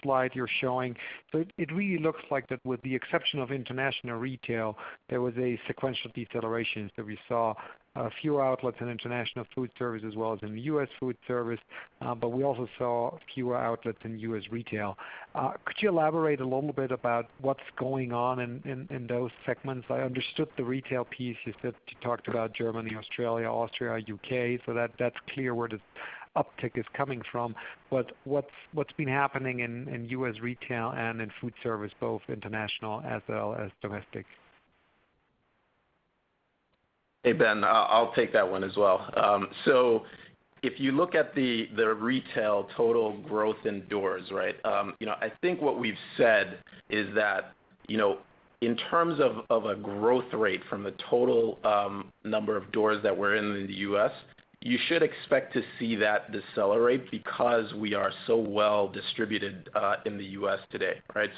slide you're showing. It really looks like that with the exception of international retail, there was a sequential deceleration that we saw fewer outlets in international foodservice as well as in the U.S. foodservice. We also saw fewer outlets in U.S. retail. Could you elaborate a little bit about what's going on in those segments? I understood the retail piece. You said you talked about Germany, Australia, Austria, U.K., that's clear where this uptick is coming from. What's been happening in U.S. retail and in foodservice, both international as well as domestic? Hey, Ben, I'll take that one as well. If you look at the retail total growth in doors, in terms of a growth rate from the total number of doors that we're in the U.S., you should expect to see that decelerate because we are so well distributed in the U.S. today, right?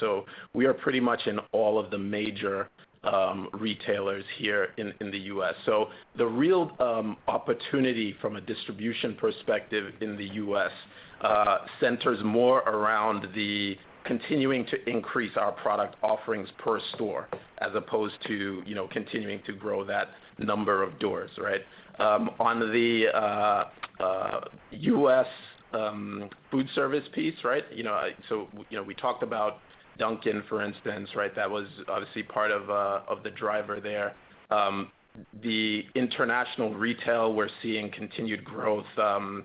We are pretty much in all of the major retailers here in the U.S. The real opportunity from a distribution perspective in the U.S. centers more around the continuing to increase our product offerings per store as opposed to continuing to grow that number of doors, right? On the U.S. foodservice piece, we talked about Dunkin', for instance. That was obviously part of the driver there. The international retail, we're seeing continued growth in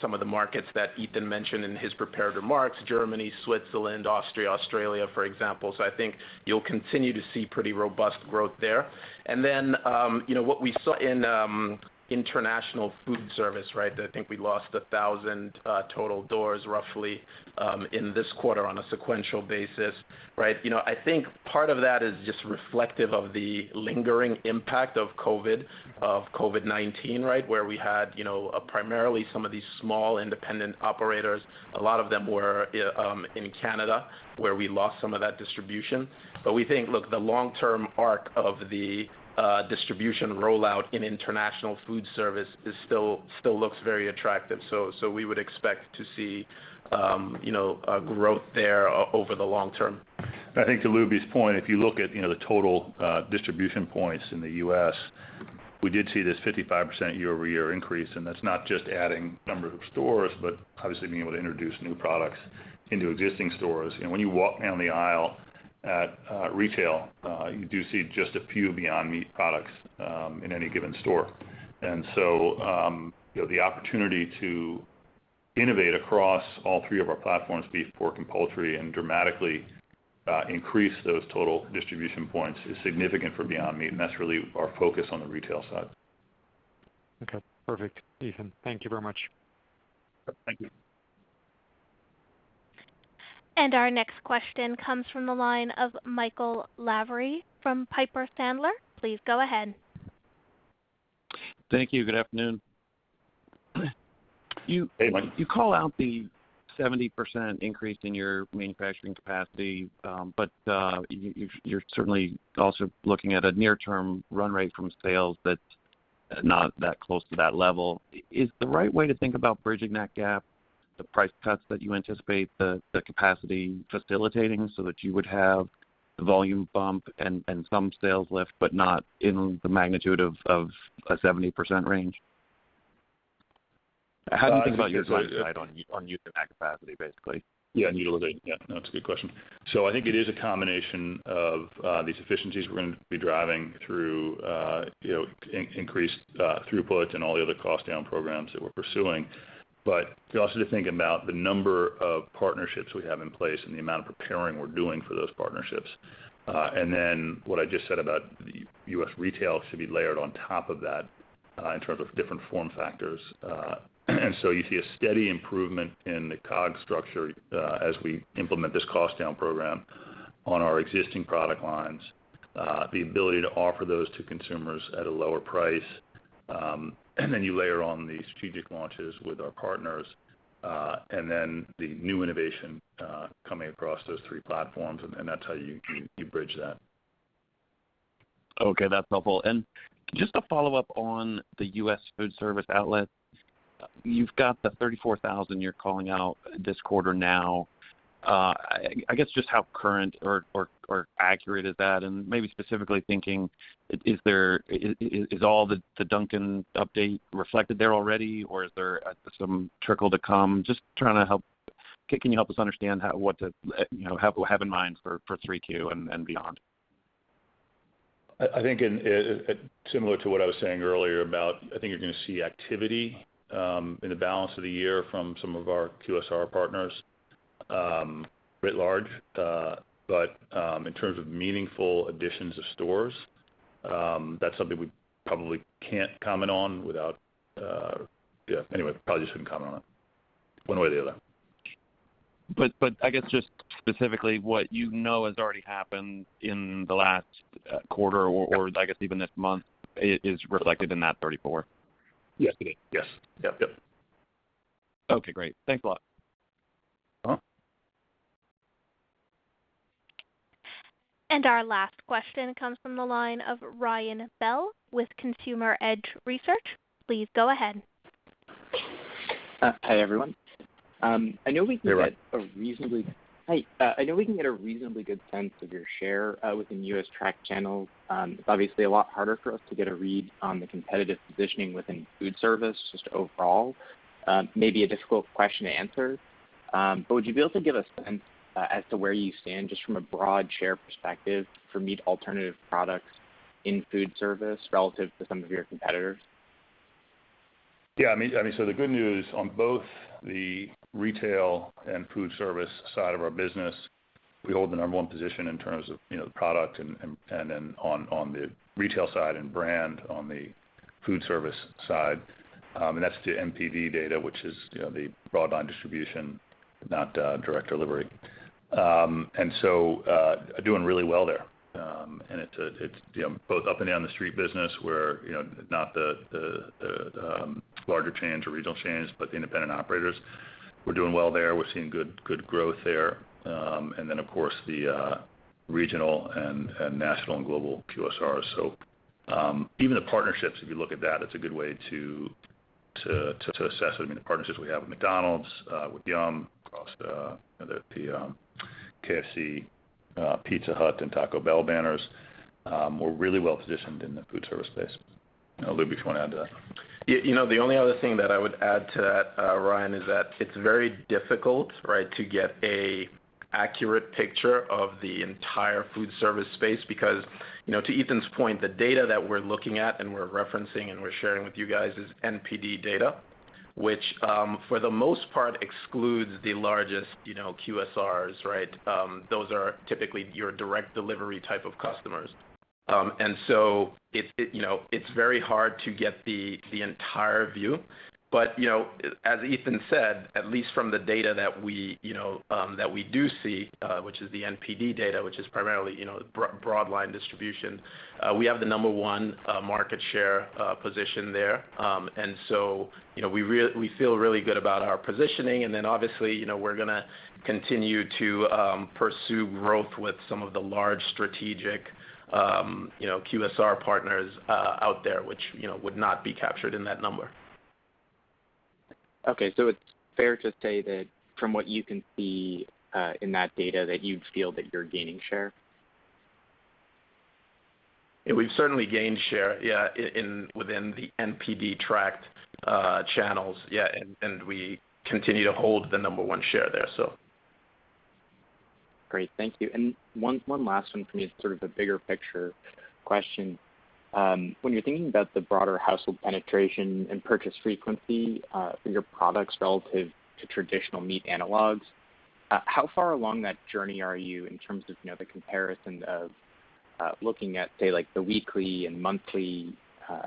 some of the markets that Ethan mentioned in his prepared remarks, Germany, Switzerland, Austria, Australia, for example. I think you'll continue to see pretty robust growth there. What we saw in international foodservice, I think we lost 1,000 total doors roughly, in this quarter on a sequential basis. I think part of that is just reflective of the lingering impact of COVID-19, where we had primarily some of these small independent operators. A lot of them were in Canada, where we lost some of that distribution. We think, look, the long-term arc of the distribution rollout in international foodservice still looks very attractive. We would expect to see growth there over the long term. I think to Lubi's point, if you look at the total distribution points in the U.S., we did see this 55% year-over-year increase. That's not just adding number of stores, but obviously being able to introduce new products into existing stores. When you walk down the aisle at retail, you do see just a few Beyond Meat products in any given store. The opportunity to innovate across all three of our platforms, beef, pork, and poultry, and dramatically increase those total distribution points is significant for Beyond Meat. That's really our focus on the retail side. Okay. Perfect, Ethan. Thank you very much. Thank you. Our next question comes from the line of Michael Lavery from Piper Sandler. Please go ahead. Thank you. Good afternoon. Hey, Mike. You call out the 70% increase in your manufacturing capacity. You're certainly also looking at a near-term run rate from sales that's not that close to that level. Is the right way to think about bridging that gap, the price cuts that you anticipate, the capacity facilitating so that you would have the volume bump and some sales lift, but not in the magnitude of a 70% range? How do you think about utilizing that capacity, basically? Yeah, utilization. Yeah, no, that's a good question. I think it is a combination of these efficiencies we're going to be driving through increased throughput and all the other cost down programs that we're pursuing. You also have to think about the number of partnerships we have in place and the amount of preparing we're doing for those partnerships. What I just said about the U.S. retail should be layered on top of that in terms of different form factors. You see a steady improvement in the COGS structure as we implement this cost down program on our existing product lines. The ability to offer those to consumers at a lower price, and then you layer on the strategic launches with our partners, and then the new innovation coming across those three platforms, and that's how you bridge that. Okay. That's helpful. Just a follow-up on the U.S. foodservice outlet. You've got the 34,000 you're calling out this quarter now. I guess just how current or accurate is that, and maybe specifically thinking, is all the Dunkin' update reflected there already or is there some trickle to come? Can you help us understand what to have in mind for 3Q and beyond? Similar to what I was saying earlier about, I think you're going to see activity in the balance of the year from some of our QSR partners writ large. In terms of meaningful additions to stores, that's something we probably can't comment on. Anyway, probably just wouldn't comment on it one way or the other. I guess just specifically what you know has already happened in the last quarter or I guess even this month is reflected in that 34,000. Yes. Okay, great. Thanks a lot. Our last question comes from the line of Ryan Bell with Consumer Edge Research. Please go ahead. Hi, everyone. You're right. Hi. I know we can get a reasonably good sense of your share within U.S. tracked channels. It is obviously a lot harder for us to get a read on the competitive positioning within foodservice just overall. Maybe a difficult question to answer, but would you be able to give a sense as to where you stand just from a broad share perspective for meat alternative products in foodservice relative to some of your competitors? The good news on both the retail and foodservice side of our business, we hold the number 1 position in terms of the product and then on the retail side and brand on the foodservice side, and that's the NPD data, which is the broadline distribution, not direct delivery. Doing really well there. It's both up and down the street business where, not the larger chains or regional chains, but the independent operators. We're doing well there. We're seeing good growth there. Of course the regional and national and global QSRs. Even the partnerships, if you look at that, it's a good way to assess it. I mean, the partnerships we have with McDonald's, with Yum!, across the KFC, Pizza Hut and Taco Bell banners, we're really well positioned in the foodservice space. I don't know, Lubi, if you want to add to that. Yeah. The only other thing that I would add to that, Ryan, is that it's very difficult, right, to get a accurate picture of the entire foodservice space because, to Ethan's point, the data that we're looking at and we're referencing and we're sharing with you guys is NPD data, which, for the most part excludes the largest QSRs, right? Those are typically your direct delivery type of customers. It's very hard to get the entire view. As Ethan said, at least from the data that we do see, which is the NPD data, which is primarily, broadline distribution, we have the number 1 market share position there. We feel really good about our positioning, and then obviously, we're going to continue to pursue growth with some of the large strategic QSR partners out there, which would not be captured in that number. Okay, it's fair to say that from what you can see in that data, that you feel that you're gaining share? Yeah, we've certainly gained share within the NPD tracked channels. We continue to hold the number 1 share there. Great. Thank you. One last one from me, sort of a bigger picture question. When you're thinking about the broader household penetration and purchase frequency for your products relative to traditional meat analogues, how far along that journey are you in terms of the comparison of looking at, say, like the weekly and monthly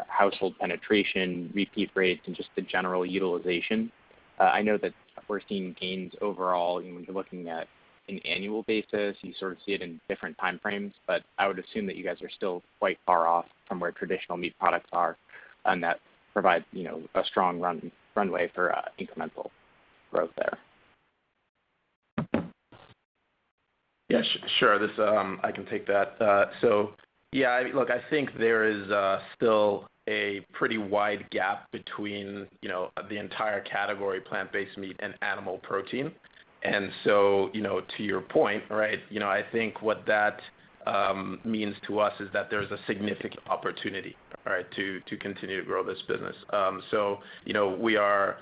household penetration, repeat rates, and just the general utilization? I know that we're seeing gains overall, when you're looking at an annual basis, you sort of see it in different time frames, but I would assume that you guys are still quite far off from where traditional meat products are and that provides a strong runway for incremental growth there. Yeah, sure. I can take that. Yeah, look, I think there is still a pretty wide gap between the entire category plant-based meat and animal protein. To your point, right, I think what that means to us is that there's a significant opportunity, right, to continue to grow this business. We are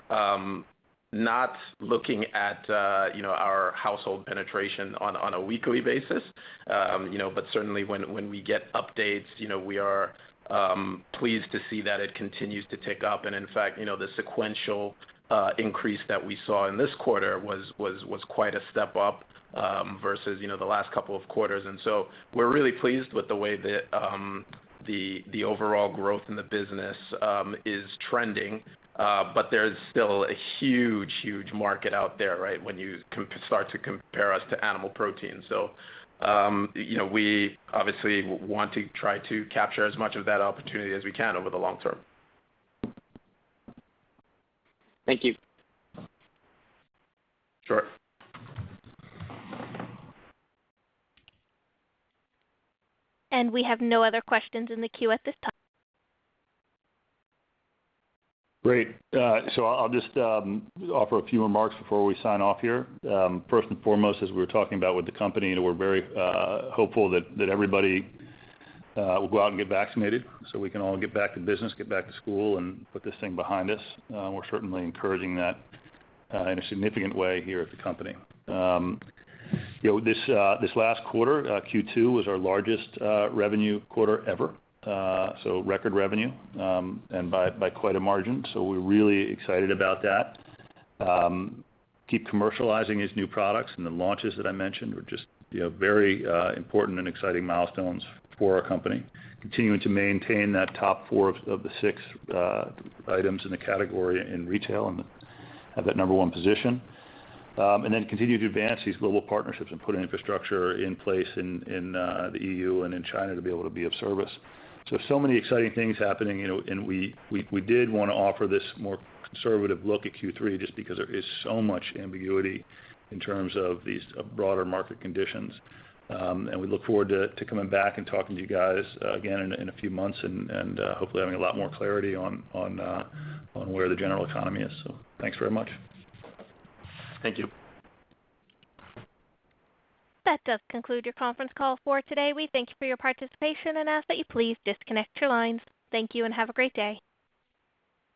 not looking at our household penetration on a weekly basis. Certainly when we get updates, we are pleased to see that it continues to tick up. In fact, the sequential increase that we saw in this quarter was quite a step up versus the last couple of quarters. We're really pleased with the way that the overall growth in the business is trending. There's still a huge market out there, right? When you start to compare us to animal protein. We obviously want to try to capture as much of that opportunity as we can over the long term. Thank you. Sure. We have no other questions in the queue at this time. Great. I'll just offer a few remarks before we sign off here. First and foremost, as we were talking about with the company, we're very hopeful that everybody will go out and get vaccinated so we can all get back to business, get back to school, and put this thing behind us. We're certainly encouraging that in a significant way here at the company. This last quarter, Q2, was our largest revenue quarter ever. Record revenue, and by quite a margin, we're really excited about that. Keep commercializing these new products and the launches that I mentioned were just very important and exciting milestones for our company. Continuing to maintain that top four of the six items in the category in retail and have that number 1 position. Continue to advance these global partnerships and put infrastructure in place in the EU and in China to be able to be of service. Many exciting things happening, and we did want to offer this more conservative look at Q3 just because there is so much ambiguity in terms of these broader market conditions. We look forward to coming back and talking to you guys again in a few months and hopefully having a lot more clarity on where the general economy is. Thanks very much. Thank you. That does conclude your conference call for today. We thank you for your participation and ask that you please disconnect your lines. Thank you and have a great day.